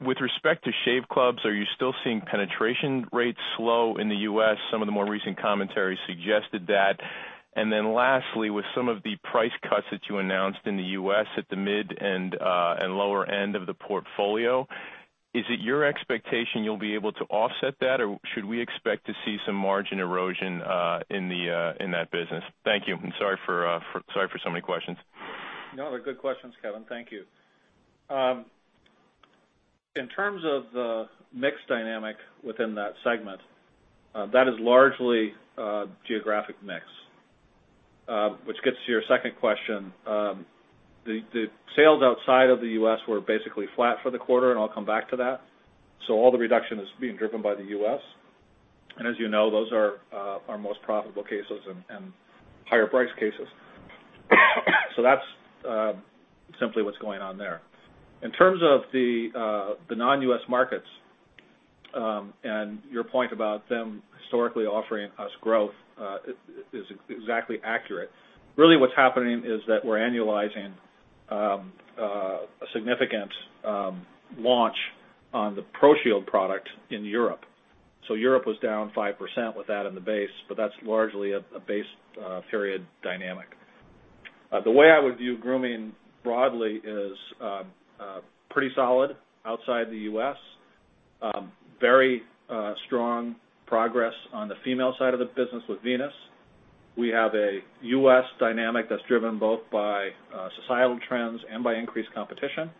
S5: With respect to Shave Clubs, are you still seeing penetration rates slow in the U.S.? Some of the more recent commentary suggested that. Lastly, with some of the price cuts that you announced in the U.S. at the mid and lower end of the portfolio, is it your expectation you'll be able to offset that, or should we expect to see some margin erosion in that business? Thank you. Sorry for so many questions.
S2: No, they're good questions, Kevin. Thank you. In terms of the mix dynamic within that segment, that is largely a geographic mix, which gets to your second question. The sales outside of the U.S. were basically flat for the quarter, and I'll come back to that. All the reduction is being driven by the U.S., and as you know, those are our most profitable cases and higher price cases. That's simply what's going on there. In terms of the non-U.S. markets, your point about them historically offering us growth, is exactly accurate. What's happening is that we're annualizing a significant launch on the ProShield product in Europe. Europe was down 5% with that in the base, but that's largely a base period dynamic. The way I would view grooming broadly is pretty solid outside the U.S. Very strong progress on the female side of the business with Venus. We have a U.S. dynamic that's driven both by societal trends and by increased competition,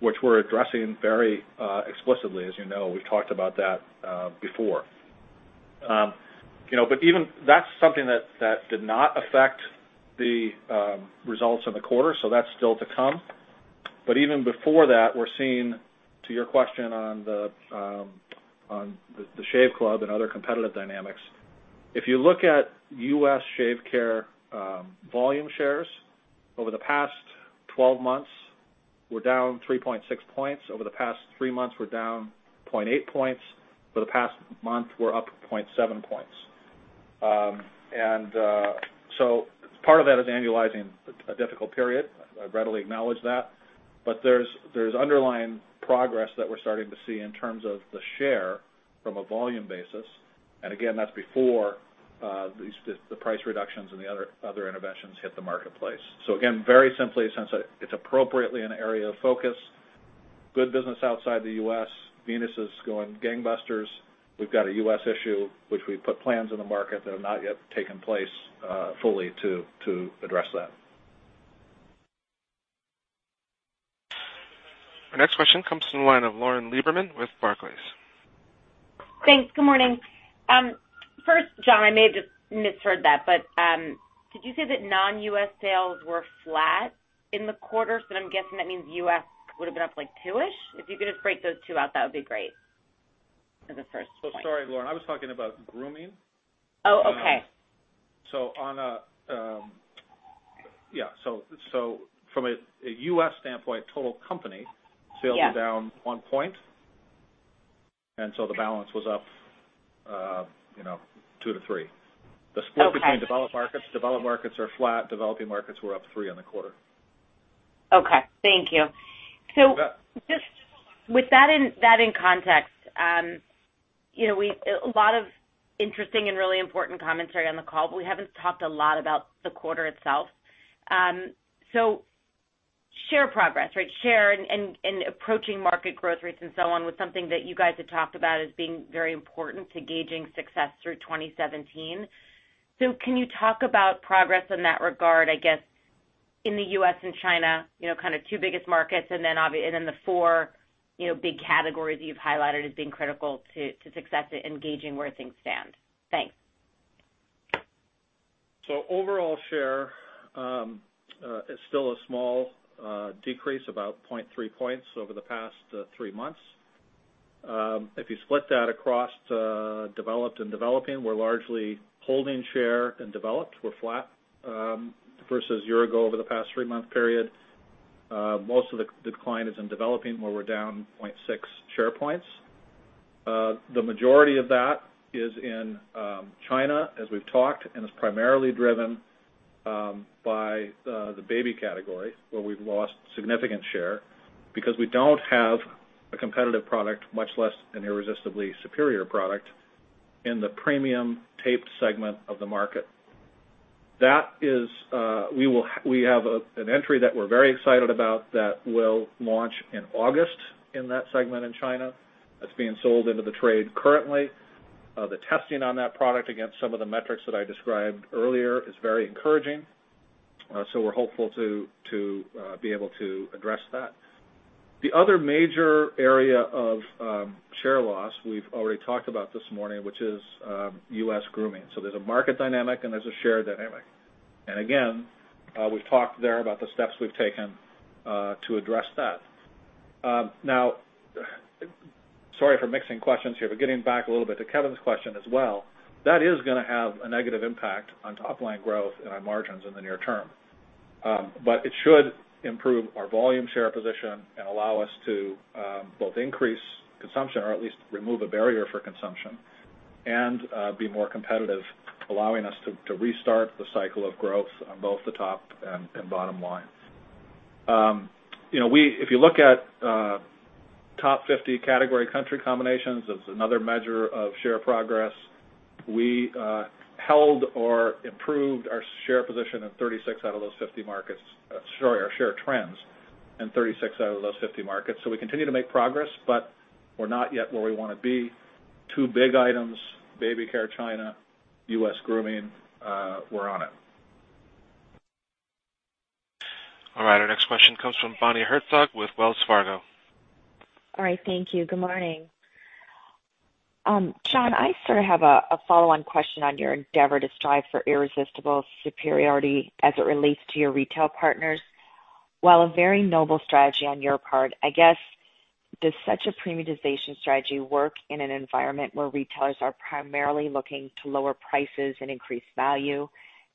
S2: which we're addressing very explicitly. As you know, we've talked about that before. That's something that did not affect the results in the quarter, that's still to come. Even before that, we're seeing, to your question on the Shave Club and other competitive dynamics, if you look at U.S. shave care volume shares, over the past 12 months, we're down 3.6 points. Over the past three months, we're down 0.8 points. For the past month, we're up 0.7 points. Part of that is annualizing a difficult period. I readily acknowledge that. There's underlying progress that we're starting to see in terms of the share from a volume basis. Again, that's before the price reductions and the other interventions hit the marketplace. Again, very simply, since it's appropriately an area of focus, good business outside the U.S., Venus is going gangbusters. We've got a U.S. issue, which we put plans in the market that have not yet taken place fully to address that.
S1: Our next question comes from the line of Lauren Lieberman with Barclays.
S6: Thanks. Good morning. First, Jon, I may have just misheard that, did you say that non-U.S. sales were flat in the quarter? I'm guessing that means U.S. would've been up, like, two-ish. If you could just break those two out, that would be great as a first point.
S2: Oh, sorry, Lauren. I was talking about grooming.
S6: Oh, okay.
S2: Yeah. From a U.S. standpoint, total company-
S6: Yeah
S2: Sales were down one point, the balance was up 2-3.
S6: Okay.
S2: The split between developed markets, developed markets are flat, developing markets were up three on the quarter.
S6: Okay. Thank you.
S2: Yeah.
S6: Just with that in context, a lot of interesting and really important commentary on the call, but we haven't talked a lot about the quarter itself. Share progress, right? Share and approaching market growth rates and so on was something that you guys had talked about as being very important to gauging success through 2017. Can you talk about progress in that regard, I guess, in the U.S. and China, kind of two biggest markets, and then the 4 big categories you've highlighted as being critical to success in gauging where things stand? Thanks.
S2: Overall share is still a small decrease, about 0.3 points over the past three months. If you split that across developed and developing, we're largely holding share in developed. We're flat, versus a year ago over the past three-month period. Most of the decline is in developing, where we're down 0.6 share points. The majority of that is in China, as we've talked, and is primarily driven by the baby category, where we've lost significant share because we don't have a competitive product, much less an irresistibly superior product, in the premium taped segment of the market. We have an entry that we're very excited about that will launch in August in that segment in China. That's being sold into the trade currently. The testing on that product against some of the metrics that I described earlier is very encouraging. We're hopeful to be able to address that. The other major area of share loss we've already talked about this morning, which is U.S. grooming. There's a market dynamic and there's a share dynamic. Again, we've talked there about the steps we've taken to address that. Now, sorry for mixing questions here, getting back a little bit to Kevin's question as well. That is going to have a negative impact on top-line growth and our margins in the near term. It should improve our volume share position and allow us to both increase consumption or at least remove a barrier for consumption and be more competitive, allowing us to restart the cycle of growth on both the top and bottom lines. If you look at top 50 category country combinations, that's another measure of share progress. We held or improved our share position in 36 out of those 50 markets, sorry, our share trends in 36 out of those 50 markets. We continue to make progress, we're not yet where we want to be. Two big items, baby care China, U.S. grooming, we're on it.
S1: All right. Our next question comes from Bonnie Herzog with Wells Fargo.
S7: All right. Thank you. Good morning. Jon, I sort of have a follow-on question on your endeavor to strive for irresistible superiority as it relates to your retail partners. While a very noble strategy on your part, I guess, does such a premiumization strategy work in an environment where retailers are primarily looking to lower prices and increase value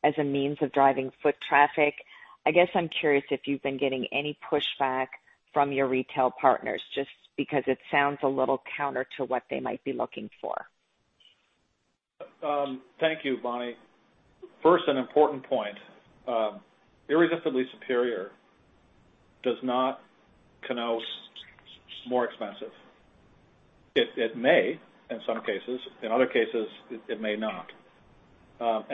S7: as a means of driving foot traffic? I guess I'm curious if you've been getting any pushback from your retail partners, just because it sounds a little counter to what they might be looking for.
S2: Thank you, Bonnie. First, an important point. Irresistibly superior does not connote more expensive. It may, in some cases. In other cases, it may not.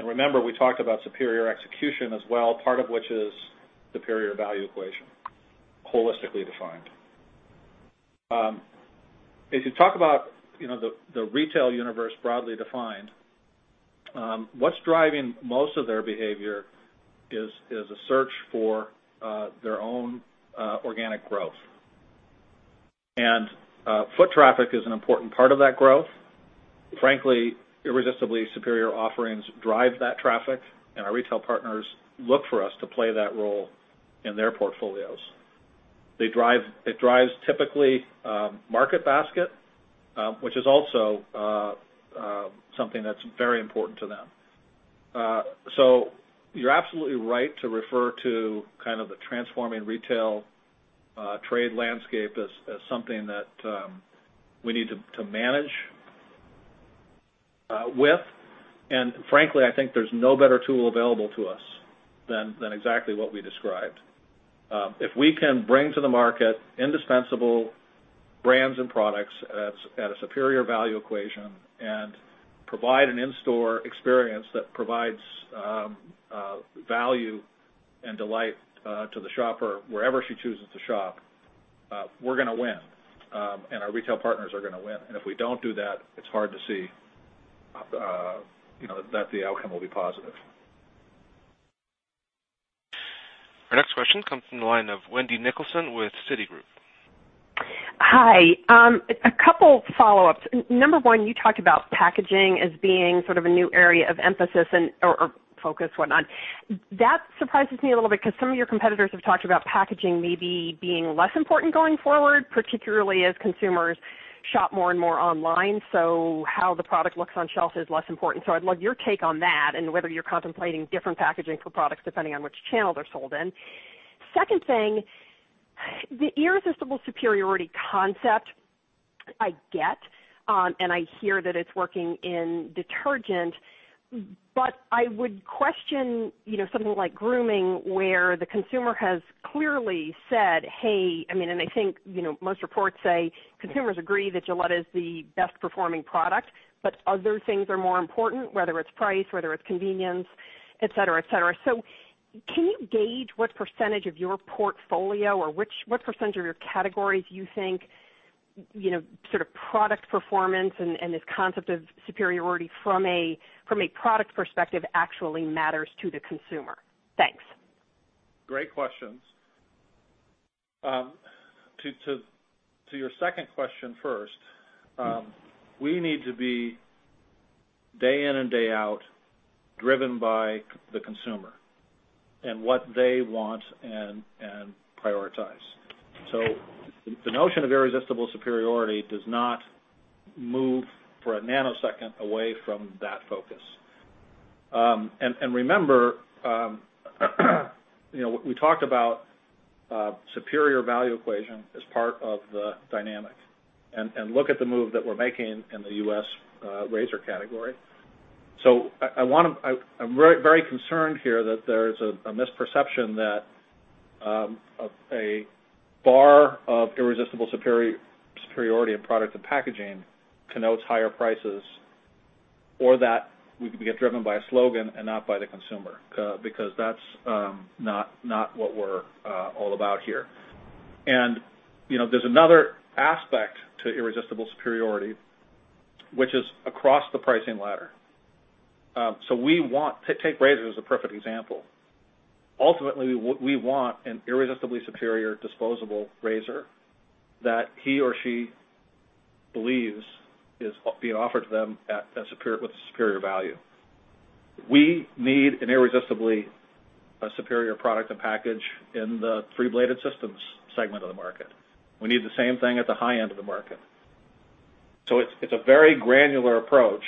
S2: Remember, we talked about superior execution as well, part of which is superior value equation, holistically defined. If you talk about the retail universe broadly defined, what's driving most of their behavior is a search for their own organic growth. Foot traffic is an important part of that growth. Frankly, irresistibly superior offerings drive that traffic, and our retail partners look for us to play that role in their portfolios. It drives typically market basket, which is also something that's very important to them. You're absolutely right to refer to kind of the transforming retail trade landscape as something that we need to manage with. Frankly, I think there's no better tool available to us than exactly what we described. If we can bring to the market indispensable brands and products at a superior value equation and provide an in-store experience that provides value and delight to the shopper wherever she chooses to shop, we're going to win, and our retail partners are going to win. If we don't do that, it's hard to see that the outcome will be positive.
S1: Our next question comes from the line of Wendy Nicholson with Citigroup.
S8: Hi. A couple follow-ups. Number one, you talked about packaging as being sort of a new area of emphasis or focus, whatnot. That surprises me a little bit because some of your competitors have talked about packaging maybe being less important going forward, particularly as consumers shop more and more online. How the product looks on shelf is less important. I'd love your take on that and whether you're contemplating different packaging for products depending on which channels they're sold in. Second thing, the irresistible superiority concept I get, and I hear that it's working in detergent, but I would question something like grooming, where the consumer has clearly said, "Hey," and I think most reports say consumers agree that Gillette is the best performing product, but other things are more important, whether it's price, whether it's convenience, et cetera. Can you gauge what percentage of your portfolio or what percentage of your categories you think sort of product performance and this concept of superiority from a product perspective actually matters to the consumer? Thanks.
S2: Great questions. To your second question first, we need to be day in and day out driven by the consumer and what they want and prioritize. The notion of irresistible superiority does not move for a nanosecond away from that focus. Remember, we talked about superior value equation as part of the dynamic. Look at the move that we're making in the U.S. razor category. I'm very concerned here that there's a misperception that a bar of irresistible superiority in product and packaging connotes higher prices, or that we could get driven by a slogan and not by the consumer, because that's not what we're all about here. There's another aspect to irresistible superiority, which is across the pricing ladder. Take razor as a perfect example. Ultimately, we want an irresistibly superior disposable razor that he or she believes is being offered to them with superior value. We need an irresistibly superior product and package in the 3-bladed systems segment of the market. We need the same thing at the high end of the market. It's a very granular approach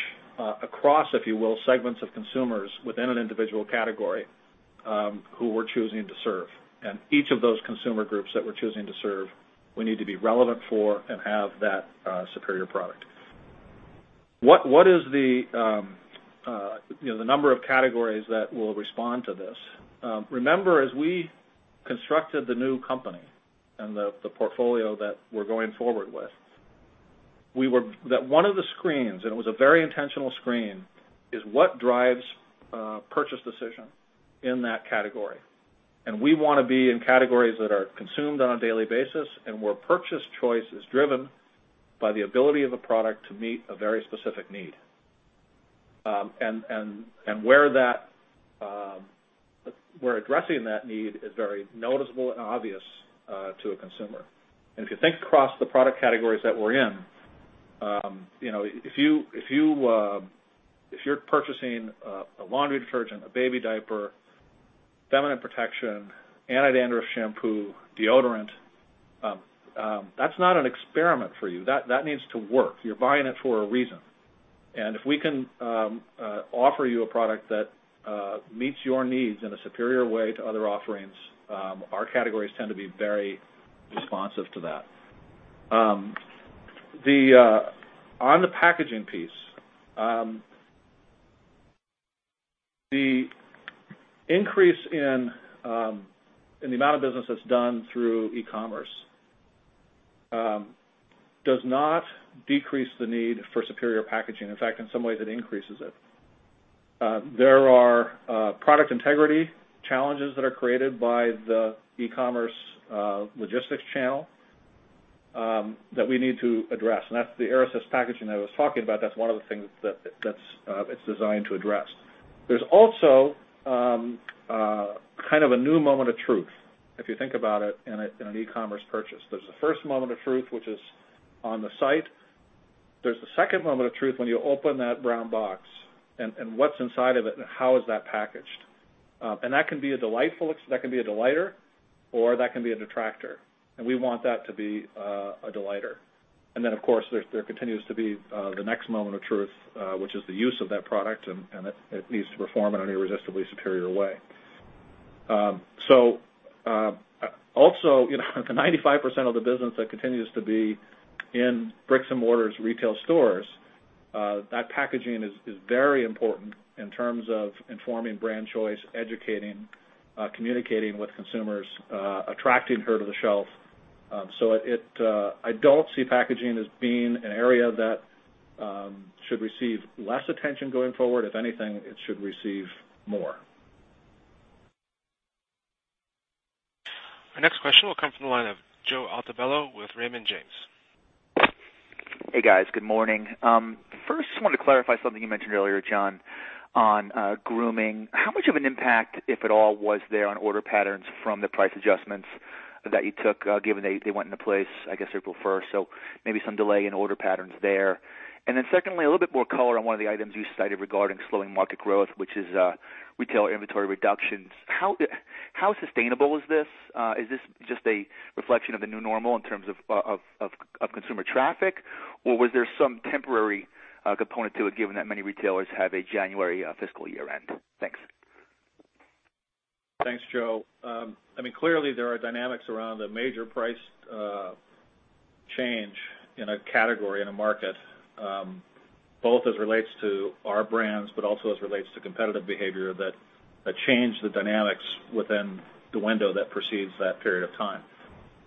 S2: across, if you will, segments of consumers within an individual category, who we're choosing to serve. Each of those consumer groups that we're choosing to serve, we need to be relevant for and have that superior product. What is the number of categories that will respond to this? Remember, as we constructed the new company and the portfolio that we're going forward with, that one of the screens, and it was a very intentional screen, is what drives purchase decision in that category. We want to be in categories that are consumed on a daily basis, and where purchase choice is driven by the ability of a product to meet a very specific need. And where addressing that need is very noticeable and obvious to a consumer. If you think across the product categories that we're in, if you're purchasing a laundry detergent, a baby diaper, feminine protection, anti-dandruff shampoo, deodorant, that's not an experiment for you. That needs to work. You're buying it for a reason. If we can offer you a product that meets your needs in a superior way to other offerings, our categories tend to be very responsive to that. On the packaging piece, the increase in the amount of business that's done through e-commerce does not decrease the need for superior packaging. In fact, in some ways, it increases it. There are product integrity challenges that are created by the e-commerce logistics channel that we need to address. That's the Air Assist packaging I was talking about. That's one of the things that it's designed to address. There's also kind of a new moment of truth, if you think about it, in an e-commerce purchase. There's the first moment of truth, which is on the site. There's the second moment of truth when you open that brown box, and what's inside of it, and how is that packaged. That can be a delighter or that can be a detractor, and we want that to be a delighter. Then, of course, there continues to be the next moment of truth, which is the use of that product, and it needs to perform in an irresistibly superior way. Also, the 95% of the business that continues to be in bricks-and-mortar retail stores, that packaging is very important in terms of informing brand choice, educating, communicating with consumers, attracting her to the shelf. I don't see packaging as being an area that should receive less attention going forward. If anything, it should receive more.
S1: Our next question will come from the line of Joe Altobello with Raymond James.
S9: Hey, guys. Good morning. First, just wanted to clarify something you mentioned earlier, Jon, on grooming. How much of an impact, if at all, was there on order patterns from the price adjustments that you took, given they went into place, I guess, April 1st, maybe some delay in order patterns there. Secondly, a little bit more color on one of the items you cited regarding slowing market growth, which is retail inventory reductions. How sustainable is this? Is this just a reflection of a new normal in terms of consumer traffic, or was there some temporary component to it, given that many retailers have a January fiscal year end? Thanks.
S2: Thanks, Joe. Clearly there are dynamics around a major price change in a category, in a market, both as relates to our brands, but also as relates to competitive behavior that change the dynamics within the window that precedes that period of time.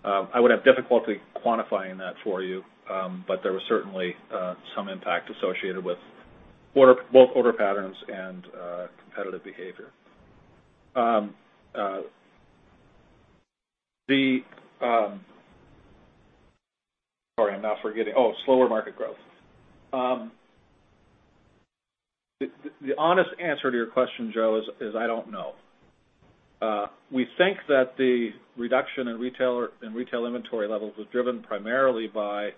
S2: I would have difficulty quantifying that for you. There was certainly some impact associated with both order patterns and competitive behavior. Sorry, I'm now forgetting. Oh, slower market growth. The honest answer to your question, Joe, is I don't know. We think that the reduction in retail inventory levels was driven primarily by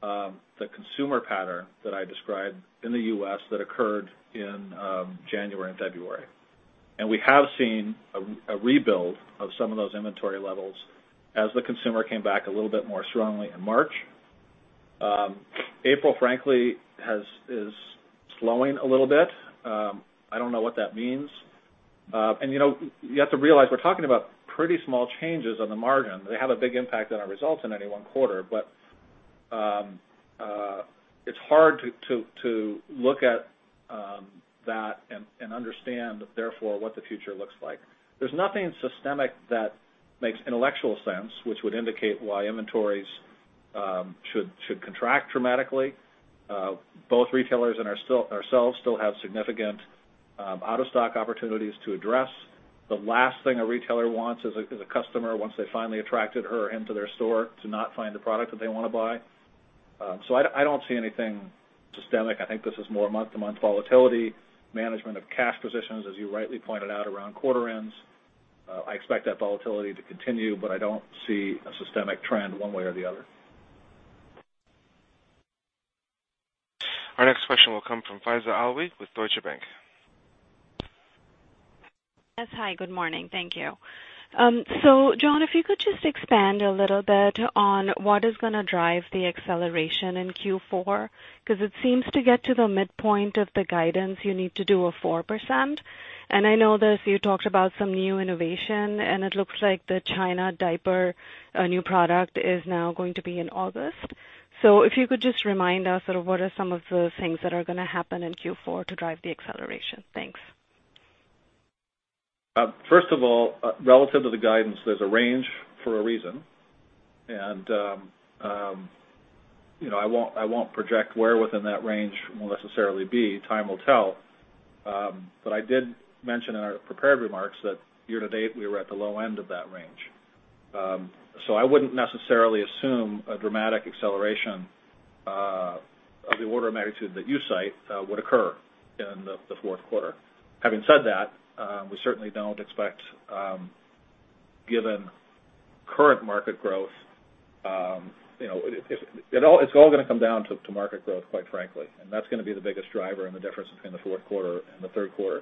S2: the consumer pattern that I described in the U.S. that occurred in January and February. We have seen a rebuild of some of those inventory levels as the consumer came back a little bit more strongly in March. April, frankly, is slowing a little bit. I don't know what that means. You have to realize we're talking about pretty small changes on the margin. They have a big impact on our results in any one quarter. It's hard to look at that and understand, therefore, what the future looks like. There's nothing systemic that makes intellectual sense, which would indicate why inventories should contract dramatically. Both retailers and ourselves still have significant out-of-stock opportunities to address. The last thing a retailer wants is a customer, once they finally attracted her into their store, to not find the product that they want to buy. I don't see anything systemic. I think this is more month-to-month volatility, management of cash positions, as you rightly pointed out, around quarter ends. I expect that volatility to continue, but I don't see a systemic trend one way or the other.
S1: Our next question will come from Faiza Alwy with Deutsche Bank.
S10: Hi, good morning. Thank you. Jon, if you could just expand a little bit on what is going to drive the acceleration in Q4, because it seems to get to the midpoint of the guidance, you need to do a 4%. I know that you talked about some new innovation, and it looks like the China diaper new product is now going to be in August. If you could just remind us, what are some of the things that are going to happen in Q4 to drive the acceleration? Thanks.
S2: First of all, relative to the guidance, there's a range for a reason. I won't project where within that range we'll necessarily be. Time will tell. I did mention in our prepared remarks that year to date, we were at the low end of that range. I wouldn't necessarily assume a dramatic acceleration of the order of magnitude that you cite would occur in the fourth quarter. Having said that, we certainly don't expect, given current market growth. It's all going to come down to market growth, quite frankly, and that's going to be the biggest driver in the difference between the fourth quarter and the third quarter.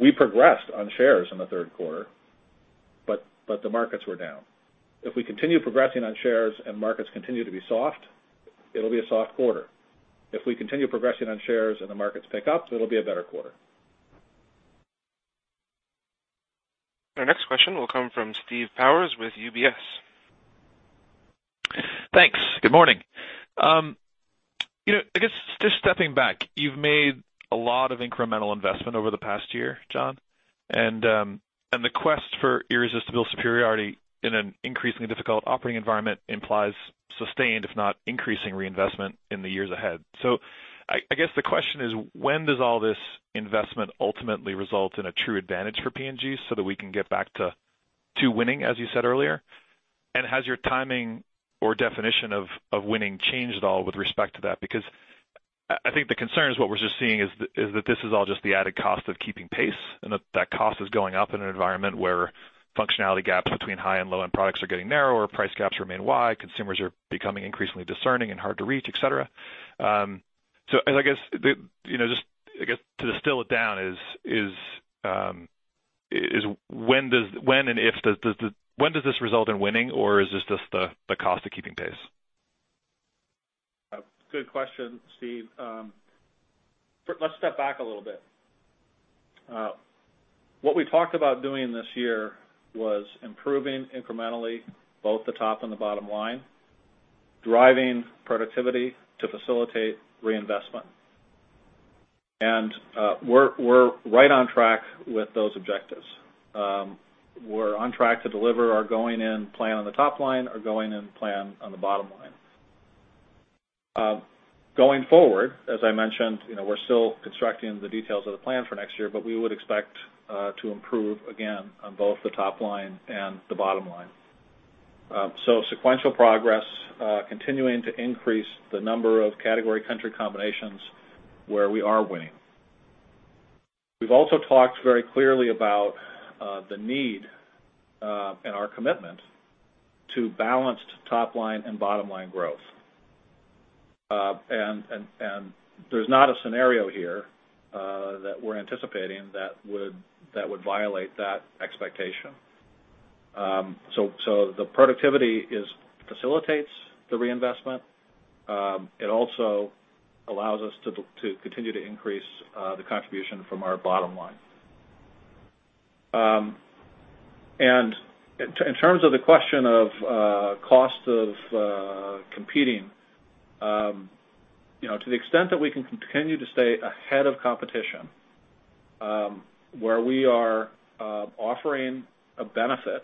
S2: We progressed on shares in the third quarter, the markets were down. If we continue progressing on shares and markets continue to be soft, it'll be a soft quarter. If we continue progressing on shares and the markets pick up, it'll be a better quarter.
S1: Our next question will come from Steve Powers with UBS.
S11: Thanks. Good morning. I guess just stepping back, you've made a lot of incremental investment over the past year, Jon, The quest for irresistible superiority in an increasingly difficult operating environment implies sustained, if not increasing reinvestment in the years ahead. I guess the question is, when does all this investment ultimately result in a true advantage for P&G so that we can get back to winning, as you said earlier? Has your timing or definition of winning changed at all with respect to that? I think the concern is what we're just seeing is that this is all just the added cost of keeping pace, That cost is going up in an environment where functionality gaps between high and low-end products are getting narrower, price gaps remain wide, consumers are becoming increasingly discerning and hard to reach, et cetera. I guess to distill it down is, when and if does this result in winning, or is this just the cost of keeping pace?
S2: Good question, Steve. Let's step back a little bit. What we talked about doing this year was improving incrementally, both the top and the bottom line, driving productivity to facilitate reinvestment, We're right on track with those objectives. We're on track to deliver our going-in plan on the top line, our going-in plan on the bottom line. Going forward, as I mentioned, we're still constructing the details of the plan for next year, We would expect to improve again on both the top line and the bottom line. Sequential progress, continuing to increase the number of category country combinations where we are winning. We've also talked very clearly about the need, Our commitment to balanced top line and bottom line growth. There's not a scenario here that we're anticipating that would violate that expectation. The productivity facilitates the reinvestment. It also allows us to continue to increase the contribution from our bottom line. In terms of the question of cost of competing, to the extent that we can continue to stay ahead of competition, where we are offering a benefit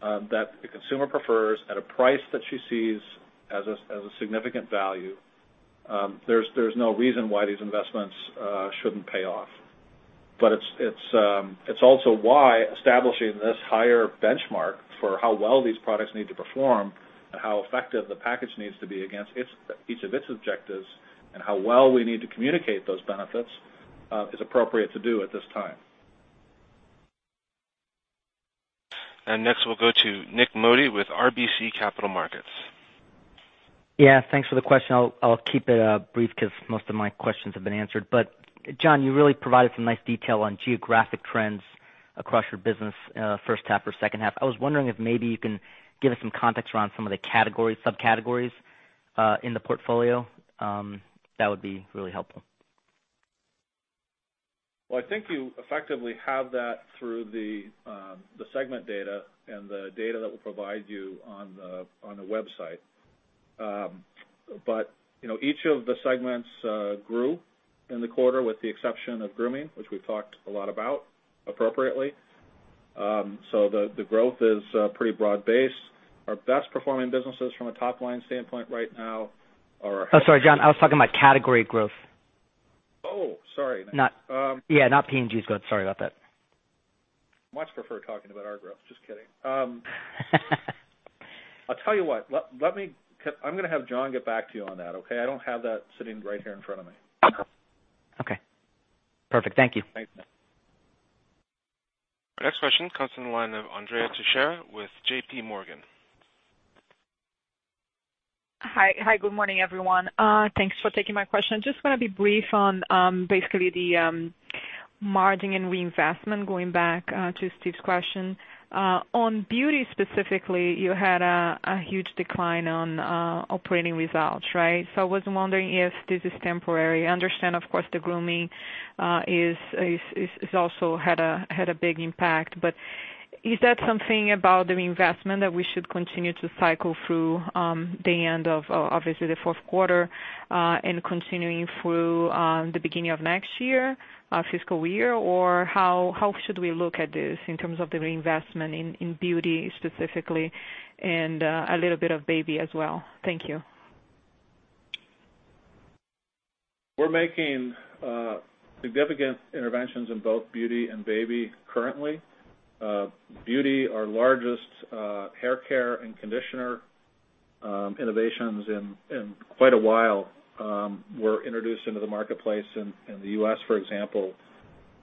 S2: that the consumer prefers at a price that she sees as a significant value, there's no reason why these investments shouldn't pay off. It's also why establishing this higher benchmark for how well these products need to perform How effective the package needs to be against each of its objectives, How well we need to communicate those benefits, is appropriate to do at this time.
S1: Next, we'll go to Nik Modi with RBC Capital Markets.
S12: Yeah, thanks for the question. I'll keep it brief because most of my questions have been answered. Jon, you really provided some nice detail on geographic trends across your business first half or second half. I was wondering if maybe you can give us some context around some of the subcategories in the portfolio. That would be really helpful.
S2: Well, I think you effectively have that through the segment data and the data that we provide you on the website. Each of the segments grew in the quarter, with the exception of Grooming, which we've talked a lot about appropriately. The growth is pretty broad-based. Our best-performing businesses from a top-line standpoint right now are.
S12: Oh, sorry, Jon. I was talking about category growth.
S2: Oh, sorry.
S12: Yeah, not P&G's growth. Sorry about that.
S2: Much prefer talking about our growth. Just kidding. I'll tell you what. I'm going to have Jon get back to you on that, okay? I don't have that sitting right here in front of me.
S12: Okay. Perfect. Thank you.
S2: Thanks.
S1: Next question comes from the line of Andrea Teixeira with JPMorgan.
S13: Hi. Good morning, everyone. Thanks for taking my question. Just want to be brief on basically the margin and reinvestment, going back to Steve's question. On beauty specifically, you had a huge decline on operating results, right? I was wondering if this is temporary. I understand, of course, the grooming has also had a big impact. Is that something about the investment that we should continue to cycle through the end of, obviously, the fourth quarter and continuing through the beginning of next year, our fiscal year? How should we look at this in terms of the reinvestment in beauty specifically and a little bit of baby as well? Thank you.
S2: We're making significant interventions in both beauty and baby currently. Beauty, our largest hair care and conditioner innovations in quite a while were introduced into the marketplace in the U.S., for example,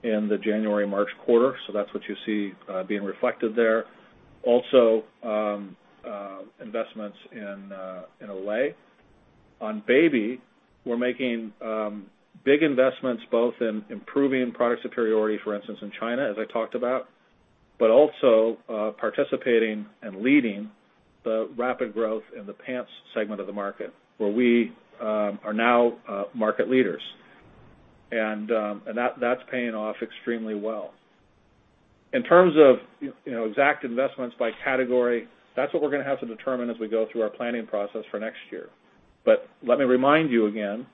S2: in the January-March quarter. That's what you see being reflected there. Also, investments in Olay. On baby, we're making big investments both in improving product superiority, for instance, in China, as I talked about, but also participating and leading the rapid growth in the pants segment of the market, where we are now market leaders. That's paying off extremely well. In terms of exact investments by category, that's what we're going to have to determine as we go through our planning process for next year. Let me remind you again,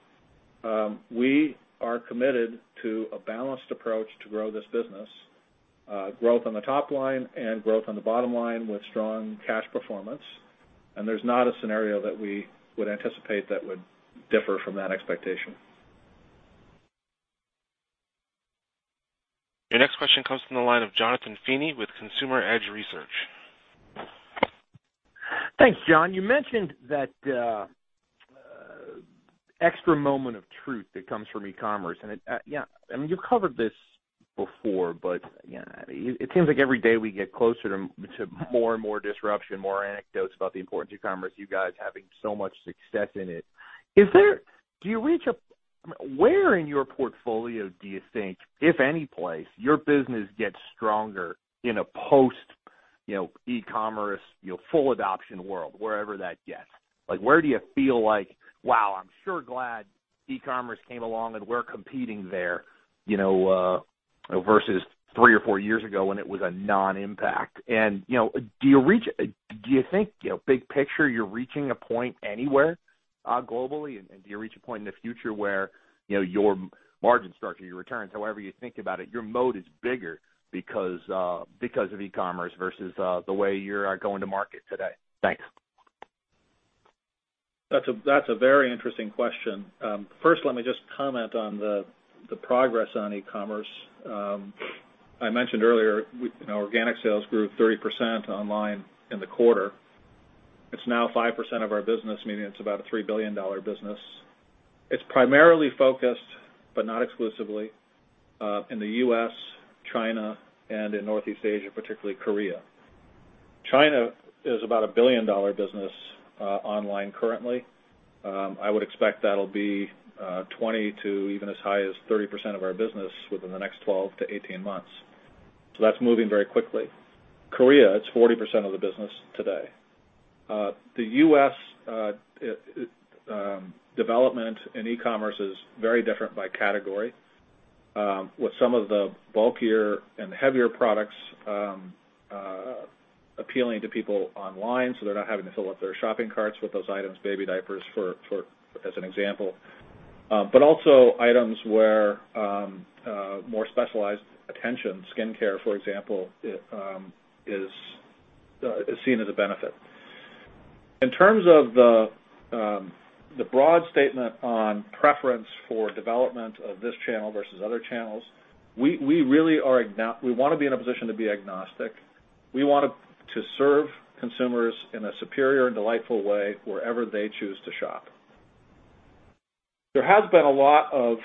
S2: we are committed to a balanced approach to grow this business, growth on the top line and growth on the bottom line with strong cash performance. There's not a scenario that we would anticipate that would differ from that expectation.
S1: Your next question comes from the line of Jonathan Feeney with Consumer Edge Research.
S14: Thanks, Jon. You mentioned that extra moment of truth that comes from e-commerce. You've covered this before, but it seems like every day we get closer to more and more disruption, more anecdotes about the importance of e-commerce, you guys having so much success in it. Where in your portfolio do you think, if any place, your business gets stronger in a post e-commerce, full adoption world, wherever that gets? Where do you feel like, wow, I'm sure glad e-commerce came along and we're competing there, versus three or four years ago when it was a non-impact? Do you think, big picture, you're reaching a point anywhere globally, and do you reach a point in the future where your margin structure, your returns, however you think about it, your mode is bigger because of e-commerce versus the way you're going to market today? Thanks.
S2: That's a very interesting question. First, let me just comment on the progress on e-commerce. I mentioned earlier, organic sales grew 30% online in the quarter. It's now 5% of our business, meaning it's about a $3 billion business. It's primarily focused, but not exclusively, in the U.S., China, and in Northeast Asia, particularly Korea. China is about a billion-dollar business online currently. I would expect that'll be 20%-30% of our business within the next 12-18 months. That's moving very quickly. Korea, it's 40% of the business today. The U.S. development in e-commerce is very different by category, with some of the bulkier and heavier products appealing to people online, so they're not having to fill up their shopping carts with those items, baby diapers as an example. Also items where more specialized attention, skincare, for example, is seen as a benefit. In terms of the broad statement on preference for development of this channel versus other channels, we want to be in a position to be agnostic. We want to serve consumers in a superior and delightful way wherever they choose to shop. There has been a lot of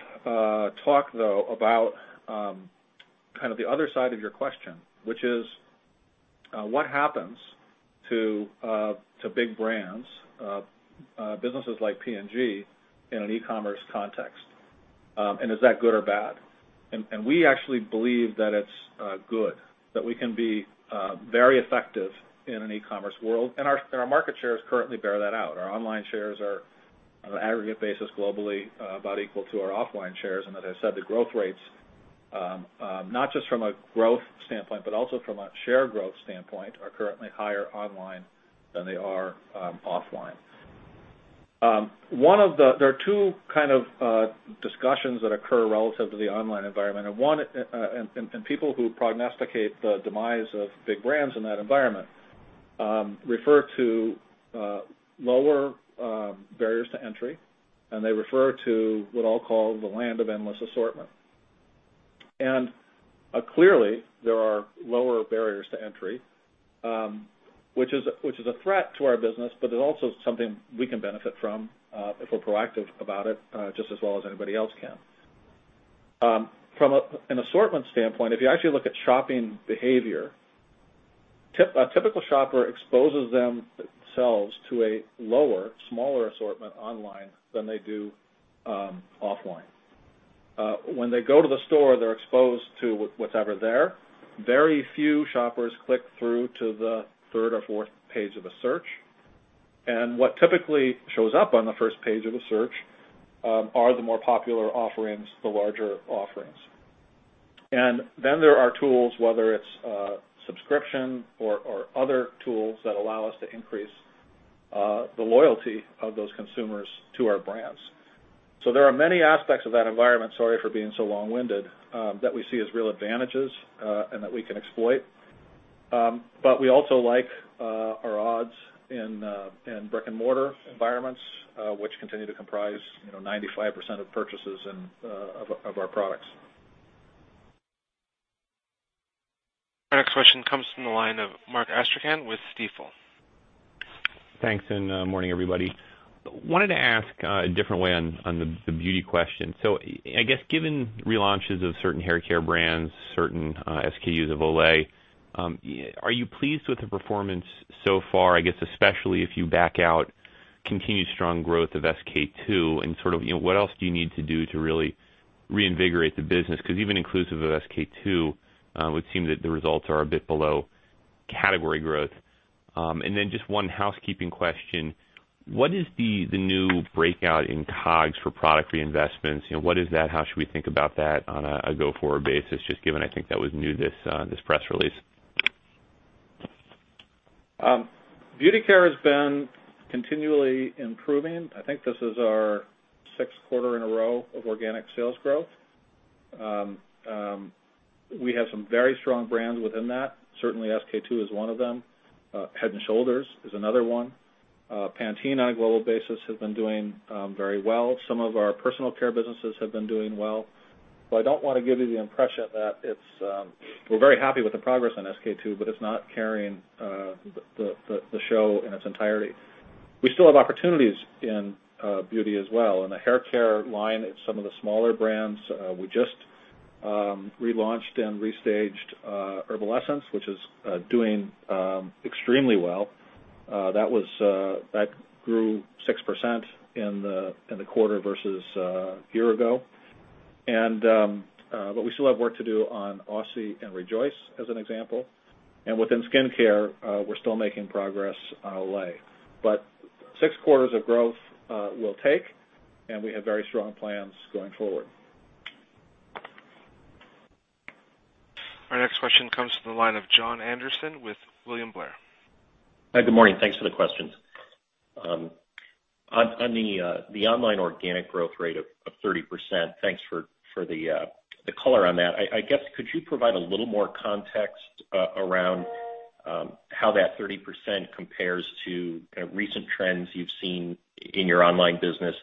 S2: talk, though, about kind of the other side of your question, which is what happens to big brands, businesses like P&G, in an e-commerce context, and is that good or bad? We actually believe that it's good, that we can be very effective in an e-commerce world, and our market shares currently bear that out. Our online shares are on an aggregate basis globally, about equal to our offline shares. As I said, the growth rates, not just from a growth standpoint, but also from a share growth standpoint, are currently higher online than they are offline. There are two kinds of discussions that occur relative to the online environment. People who prognosticate the demise of big brands in that environment refer to lower barriers to entry, and they refer to what I'll call the land of endless assortment. Clearly, there are lower barriers to entry, which is a threat to our business, but it also is something we can benefit from if we're proactive about it, just as well as anybody else can. From an assortment standpoint, if you actually look at shopping behavior, a typical shopper exposes themselves to a lower, smaller assortment online than they do offline. When they go to the store, they're exposed to whatever there. Very few shoppers click through to the third or fourth page of a search. What typically shows up on the first page of a search are the more popular offerings, the larger offerings. Then there are tools, whether it's subscription or other tools, that allow us to increase the loyalty of those consumers to our brands. There are many aspects of that environment, sorry for being so long-winded, that we see as real advantages and that we can exploit. We also like our odds in brick-and-mortar environments, which continue to comprise 95% of purchases of our products.
S1: Our next question comes from the line of Mark Astrachan with Stifel.
S15: Thanks. Good morning, everybody. I wanted to ask a different way on the beauty question. I guess, given relaunches of certain hair care brands, certain SKUs of Olay, are you pleased with the performance so far, I guess, especially if you back out continued strong growth of SK-II, and what else do you need to do to really reinvigorate the business? Because even inclusive of SK-II, it would seem that the results are a bit below category growth. Then just one housekeeping question. What is the new breakout in COGS for product reinvestments? What is that? How should we think about that on a go-forward basis, just given, I think that was new this press release.
S2: Beauty care has been continually improving. I think this is our sixth quarter in a row of organic sales growth. We have some very strong brands within that. Certainly, SK-II is one of them. Head & Shoulders is another one. Pantene, on a global basis, has been doing very well. Some of our personal care businesses have been doing well. I don't want to give you the impression that we're very happy with the progress on SK-II, but it's not carrying the show in its entirety. We still have opportunities in beauty as well. In the hair care line, some of the smaller brands, we just relaunched and restaged Herbal Essences, which is doing extremely well. That grew 6% in the quarter versus a year ago. We still have work to do on Aussie and Rejoice, as an example. Within skincare, we're still making progress on Olay. Six quarters of growth we'll take, and we have very strong plans going forward.
S1: Our next question comes from the line of John Anderson with William Blair.
S16: Hi, good morning. Thanks for the questions. On the online organic growth rate of 30%, thanks for the color on that. I guess, could you provide a little more context around how that 30% compares to recent trends you've seen in your online business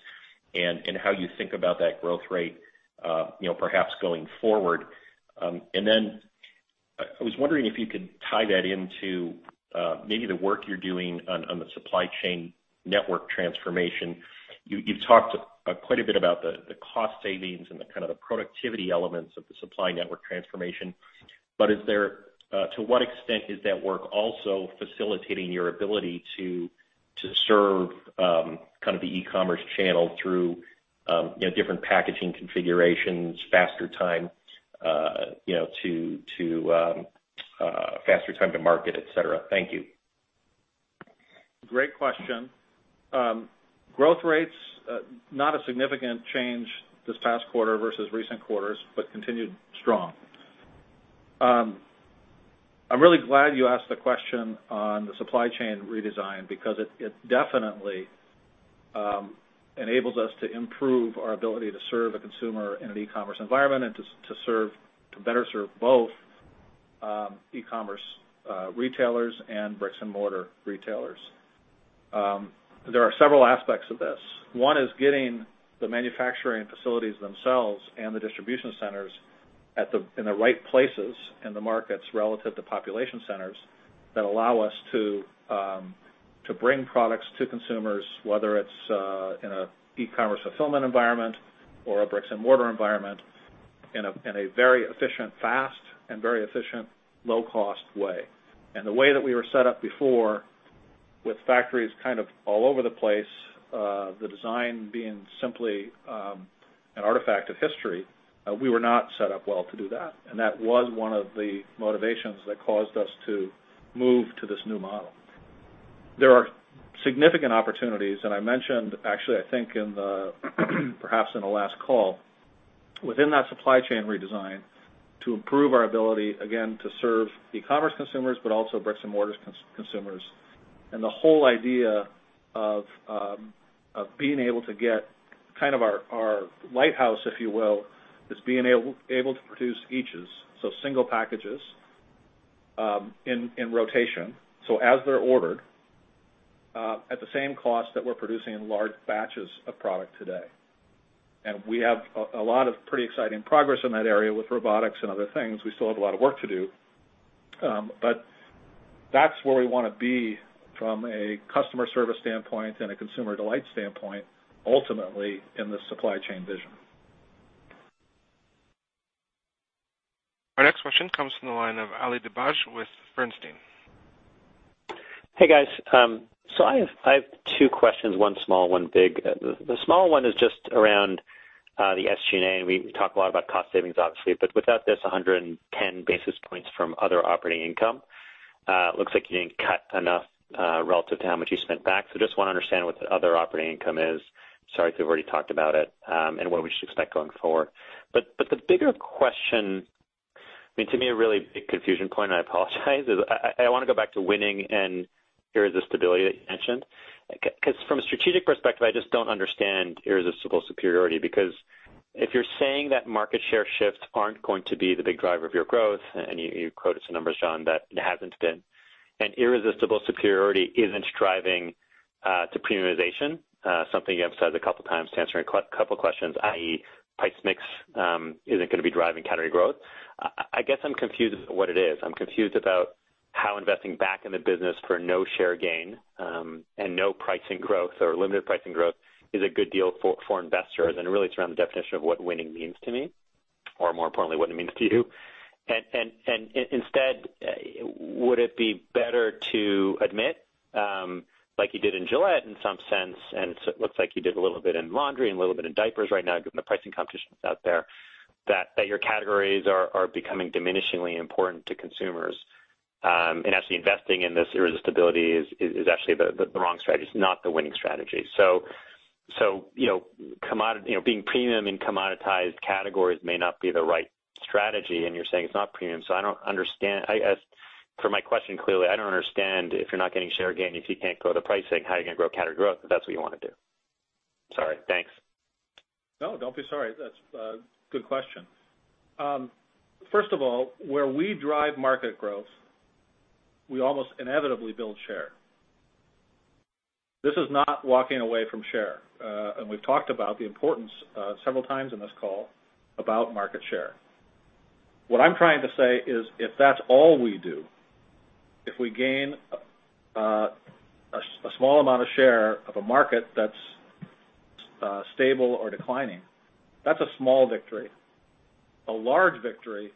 S16: and how you think about that growth rate perhaps going forward? Then I was wondering if you could tie that into maybe the work you're doing on the supply chain network transformation. You've talked quite a bit about the cost savings and the kind of the productivity elements of the supply network transformation. To what extent is that work also facilitating your ability to serve kind of the e-commerce channel through different packaging configurations, faster time to market, et cetera? Thank you.
S2: Great question. Growth rates, not a significant change this past quarter versus recent quarters, but continued strong. I'm really glad you asked the question on the supply chain redesign because it definitely enables us to improve our ability to serve a consumer in an e-commerce environment and to better serve both e-commerce retailers and bricks-and-mortar retailers. There are several aspects of this. One is getting the manufacturing facilities themselves and the distribution centers in the right places in the markets relative to population centers that allow us to bring products to consumers, whether it's in an e-commerce fulfillment environment or a bricks-and-mortar environment, in a very efficient, fast, and low-cost way. The way that we were set up before, with factories kind of all over the place, the design being simply an artifact of history. We were not set up well to do that was one of the motivations that caused us to move to this new model. There are significant opportunities, I mentioned, actually, I think perhaps in the last call, within that supply chain redesign to improve our ability, again, to serve e-commerce consumers, but also bricks-and-mortar consumers. The whole idea of being able to get kind of our lighthouse, if you will, is being able to produce eaches, so single packages in rotation. As they're ordered, at the same cost that we're producing in large batches of product today. We have a lot of pretty exciting progress in that area with robotics and other things. We still have a lot of work to do. That's where we want to be from a customer service standpoint and a consumer delight standpoint, ultimately, in the supply chain vision.
S1: Our next question comes from the line of Ali Dibadj with Bernstein.
S17: Hey, guys. I have two questions, one small, one big. The small one is just around the SG&A. We talk a lot about cost savings, obviously, but without this 110 basis points from other operating income. Looks like you didn't cut enough relative to how much you spent back. I just want to understand what the other operating income is. Sorry if you've already talked about it, and what we should expect going forward. The bigger question, to me, a really big confusion point, I apologize is I want to go back to winning and irresistibility that you mentioned. From a strategic perspective, I just don't understand irresistible superiority because if you're saying that market share shifts aren't going to be the big driver of your growth, and you quoted some numbers, Jon, that it hasn't been, and irresistible superiority isn't driving to premiumization, something you emphasized a couple of times to answer a couple of questions, i.e., price mix isn't going to be driving category growth. I guess I'm confused as to what it is. I'm confused about how investing back in the business for no share gain, and no pricing growth or limited pricing growth is a good deal for investors. Really it's around the definition of what winning means to me, or more importantly, what it means to you. Instead, would it be better to admit, like you did in Gillette in some sense, and looks like you did a little bit in laundry and a little bit in diapers right now, given the pricing competitions out there, that your categories are becoming diminishingly important to consumers, and actually investing in this irresistibility is actually the wrong strategy. It's not the winning strategy. Being premium in commoditized categories may not be the right strategy, and you're saying it's not premium, I don't understand. I guess for my question clearly, I don't understand if you're not getting share gain, if you can't go to pricing, how are you going to grow category growth if that's what you want to do? Sorry. Thanks.
S2: No, don't be sorry. That's a good question. First of all, where we drive market growth, we almost inevitably build share. This is not walking away from share. We've talked about the importance several times in this call about market share. What I'm trying to say is if that's all we do, if we gain a small amount of share of a market that's stable or declining, that's a small victory. A large victory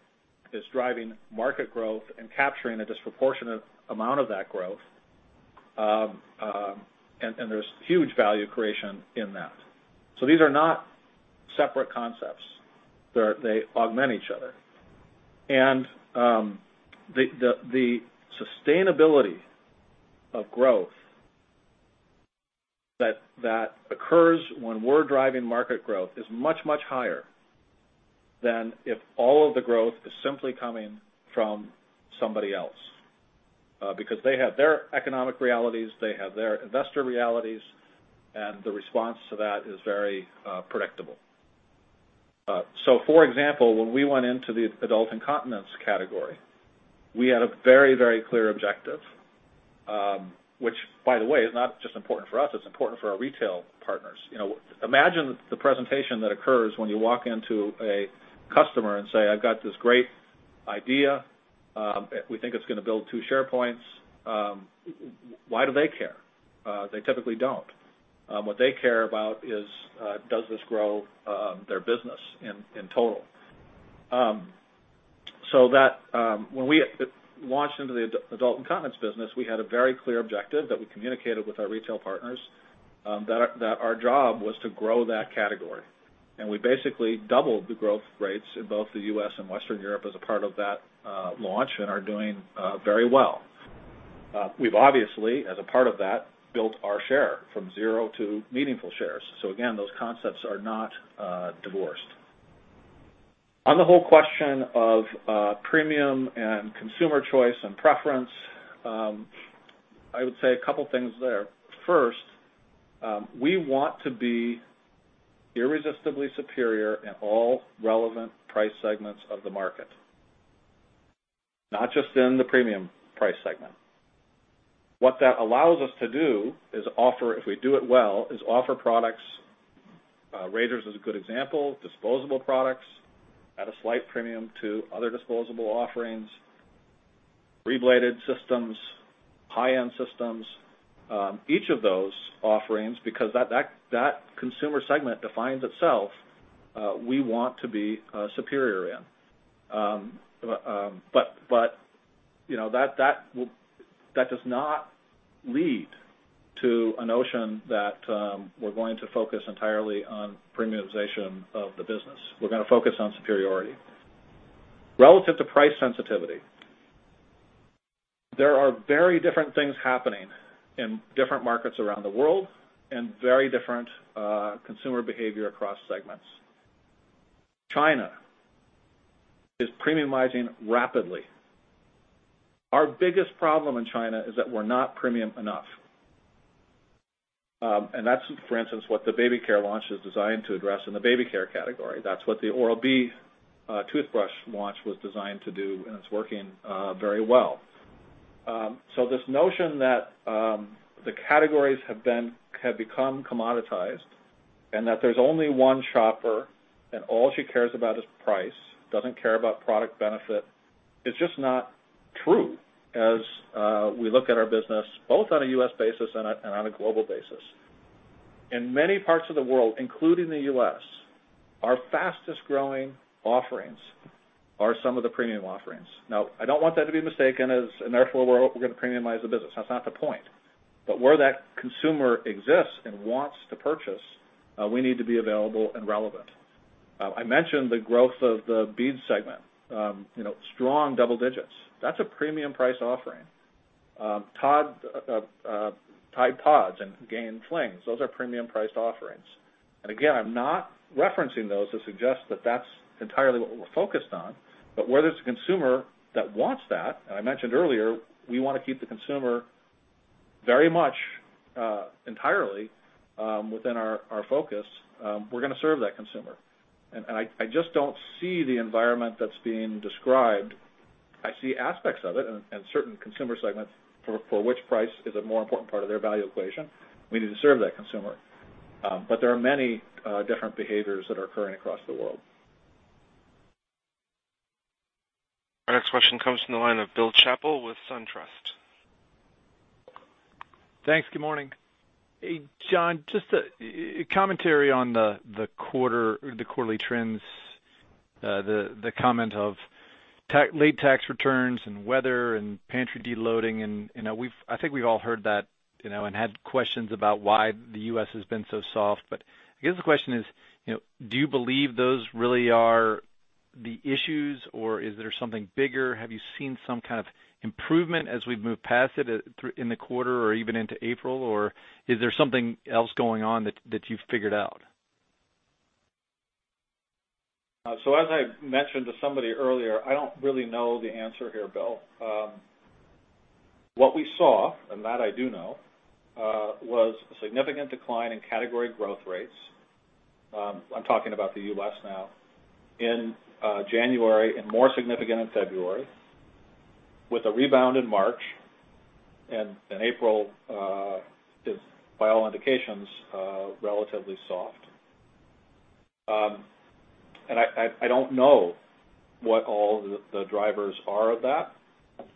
S2: is driving market growth and capturing a disproportionate amount of that growth, and there's huge value creation in that. These are not separate concepts. They augment each other. The sustainability of growth that occurs when we're driving market growth is much, much higher than if all of the growth is simply coming from somebody else. They have their economic realities, they have their investor realities, and the response to that is very predictable. For example, when we went into the adult incontinence category, we had a very clear objective, which by the way, is not just important for us, it's important for our retail partners. Imagine the presentation that occurs when you walk into a customer and say, "I've got this great idea. We think it's going to build two share points." Why do they care? They typically don't. What they care about is, does this grow their business in total? When we launched into the adult incontinence business, we had a very clear objective that we communicated with our retail partners, that our job was to grow that category. We basically doubled the growth rates in both the U.S. and Western Europe as a part of that launch and are doing very well. We've obviously, as a part of that, built our share from zero to meaningful shares. Again, those concepts are not divorced. On the whole question of premium and consumer choice and preference, I would say a couple things there. First, we want to be irresistibly superior in all relevant price segments of the market, not just in the premium price segment. What that allows us to do is offer, if we do it well, is offer products, Razors is a good example, disposable products at a slight premium to other disposable offerings, rebladed systems, high-end systems. Each of those offerings, because that consumer segment defines itself, we want to be superior in. That does not lead to a notion that we're going to focus entirely on premiumization of the business. We're going to focus on superiority. Relative to price sensitivity, there are very different things happening in different markets around the world, and very different consumer behavior across segments. China is premiumizing rapidly. Our biggest problem in China is that we're not premium enough. That's, for instance, what the baby care launch is designed to address in the baby care category. That's what the Oral-B toothbrush launch was designed to do, and it's working very well. This notion that the categories have become commoditized and that there's only one shopper, and all she cares about is price, doesn't care about product benefit, is just not true as we look at our business, both on a U.S. basis and on a global basis. I don't want that to be mistaken as, and therefore we're going to premiumize the business. That's not the point. Where that consumer exists and wants to purchase, we need to be available and relevant. I mentioned the growth of the beads segment. Strong double digits. That's a premium price offering. Tide Pods and Gain Flings, those are premium priced offerings. Again, I'm not referencing those to suggest that that's entirely what we're focused on, but where there's a consumer that wants that, and I mentioned earlier, we want to keep the consumer very much entirely within our focus. We're going to serve that consumer. I just don't see the environment that's being described. I see aspects of it and certain consumer segments for which price is a more important part of their value equation. We need to serve that consumer. There are many different behaviors that are occurring across the world.
S1: Our next question comes from the line of Bill Chappell with SunTrust.
S18: Thanks. Good morning. Hey, Jon, just a commentary on the quarterly trends, the comment of late tax returns and weather and pantry deloading, I think we've all heard that and had questions about why the U.S. has been so soft. I guess the question is: Do you believe those really are the issues, or is there something bigger? Have you seen some kind of improvement as we've moved past it in the quarter or even into April? Is there something else going on that you've figured out?
S2: As I mentioned to somebody earlier, I don't really know the answer here, Bill. What we saw, and that I do know, was a significant decline in category growth rates. I'm talking about the U.S. now. In January, more significant in February, with a rebound in March, April is, by all indications, relatively soft. I don't know what all the drivers are of that.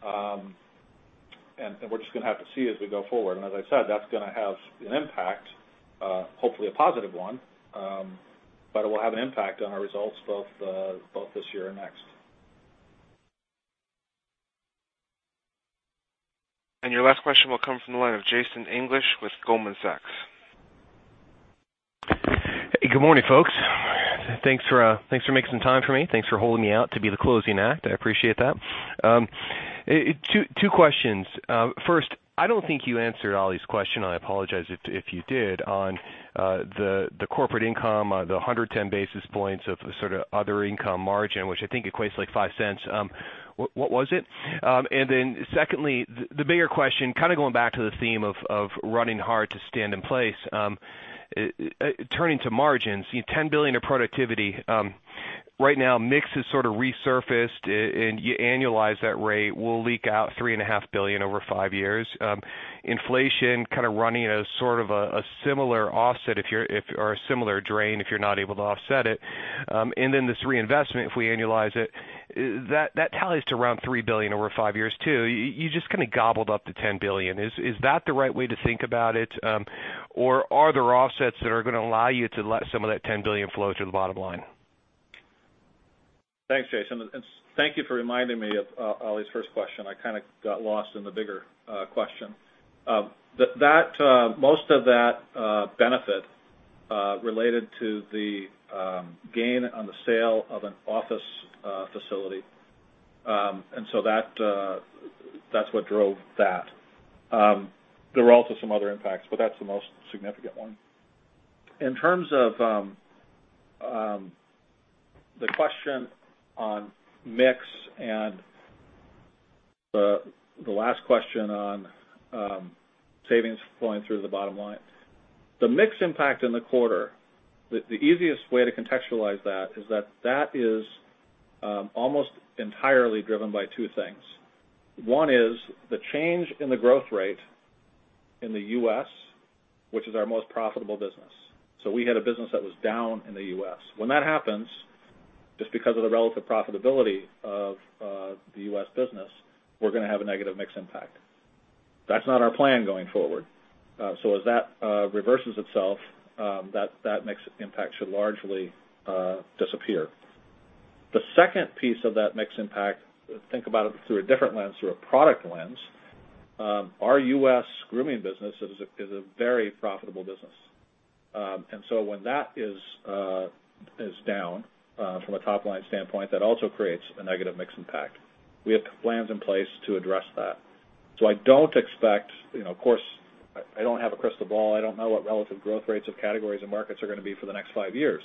S2: We're just going to have to see as we go forward. As I said, that's going to have an impact, hopefully a positive one, but it will have an impact on our results both this year and next.
S1: Your last question will come from the line of Jason English with Goldman Sachs.
S19: Hey, good morning, folks. Thanks for making some time for me. Thanks for holding me out to be the closing act. I appreciate that. Two questions. First, I don't think you answered Ali's question, I apologize if you did, on the corporate income, the 110 basis points of the sort of other income margin, which I think equates like $0.05. What was it? Secondly, the bigger question, kind of going back to the theme of running hard to stand in place. Turning to margins, $10 billion of productivity. Right now, mix has sort of resurfaced, and you annualize that rate, we'll leak out $3.5 billion over five years. Inflation kind of running at a sort of a similar offset or a similar drain if you're not able to offset it. This reinvestment, if we annualize it, that tallies to around $3 billion over five years, too. You just kind of gobbled up the $10 billion. Is that the right way to think about it? Or are there offsets that are going to allow you to let some of that $10 billion flow to the bottom line?
S2: Thanks, Jason. Thank you for reminding me of Ali's first question. I kind of got lost in the bigger question. Most of that benefit related to the gain on the sale of an office facility. That's what drove that. There were also some other impacts, but that's the most significant one. In terms of the question on mix and the last question on savings flowing through the bottom line. The mix impact in the quarter, the easiest way to contextualize that is that that is almost entirely driven by two things. One is the change in the growth rate in the U.S., which is our most profitable business. We had a business that was down in the U.S. When that happens, just because of the relative profitability of the U.S. business, we're going to have a negative mix impact. That's not our plan going forward. As that reverses itself, that mix impact should largely disappear. The second piece of that mix impact, think about it through a different lens, through a product lens. Our U.S. grooming business is a very profitable business. When that is down from a top-line standpoint, that also creates a negative mix impact. We have plans in place to address that. I don't expect, of course, I don't have a crystal ball. I don't know what relative growth rates of categories and markets are going to be for the next 5 years.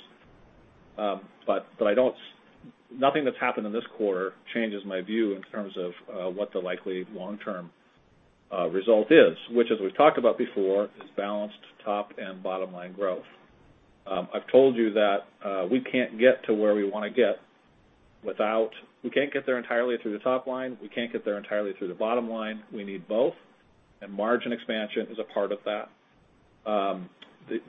S2: Nothing that's happened in this quarter changes my view in terms of what the likely long-term result is, which, as we've talked about before, is balanced top and bottom-line growth. I've told you that we can't get to where we want to get without, we can't get there entirely through the top line. We can't get there entirely through the bottom line. We need both, margin expansion is a part of that.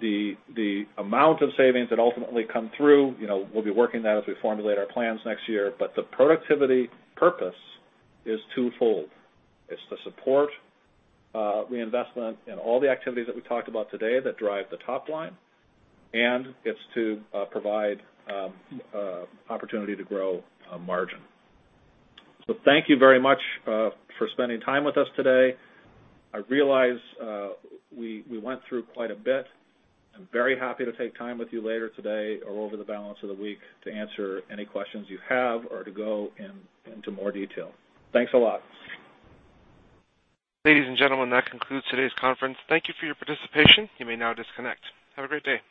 S2: The amount of savings that ultimately come through, we'll be working that as we formulate our plans next year, the productivity purpose is twofold. It's to support reinvestment in all the activities that we talked about today that drive the top line, and it's to provide opportunity to grow margin. Thank you very much for spending time with us today. I realize we went through quite a bit. I'm very happy to take time with you later today or over the balance of the week to answer any questions you have or to go into more detail. Thanks a lot.
S1: Ladies and gentlemen, that concludes today's conference. Thank you for your participation. You may now disconnect. Have a great day.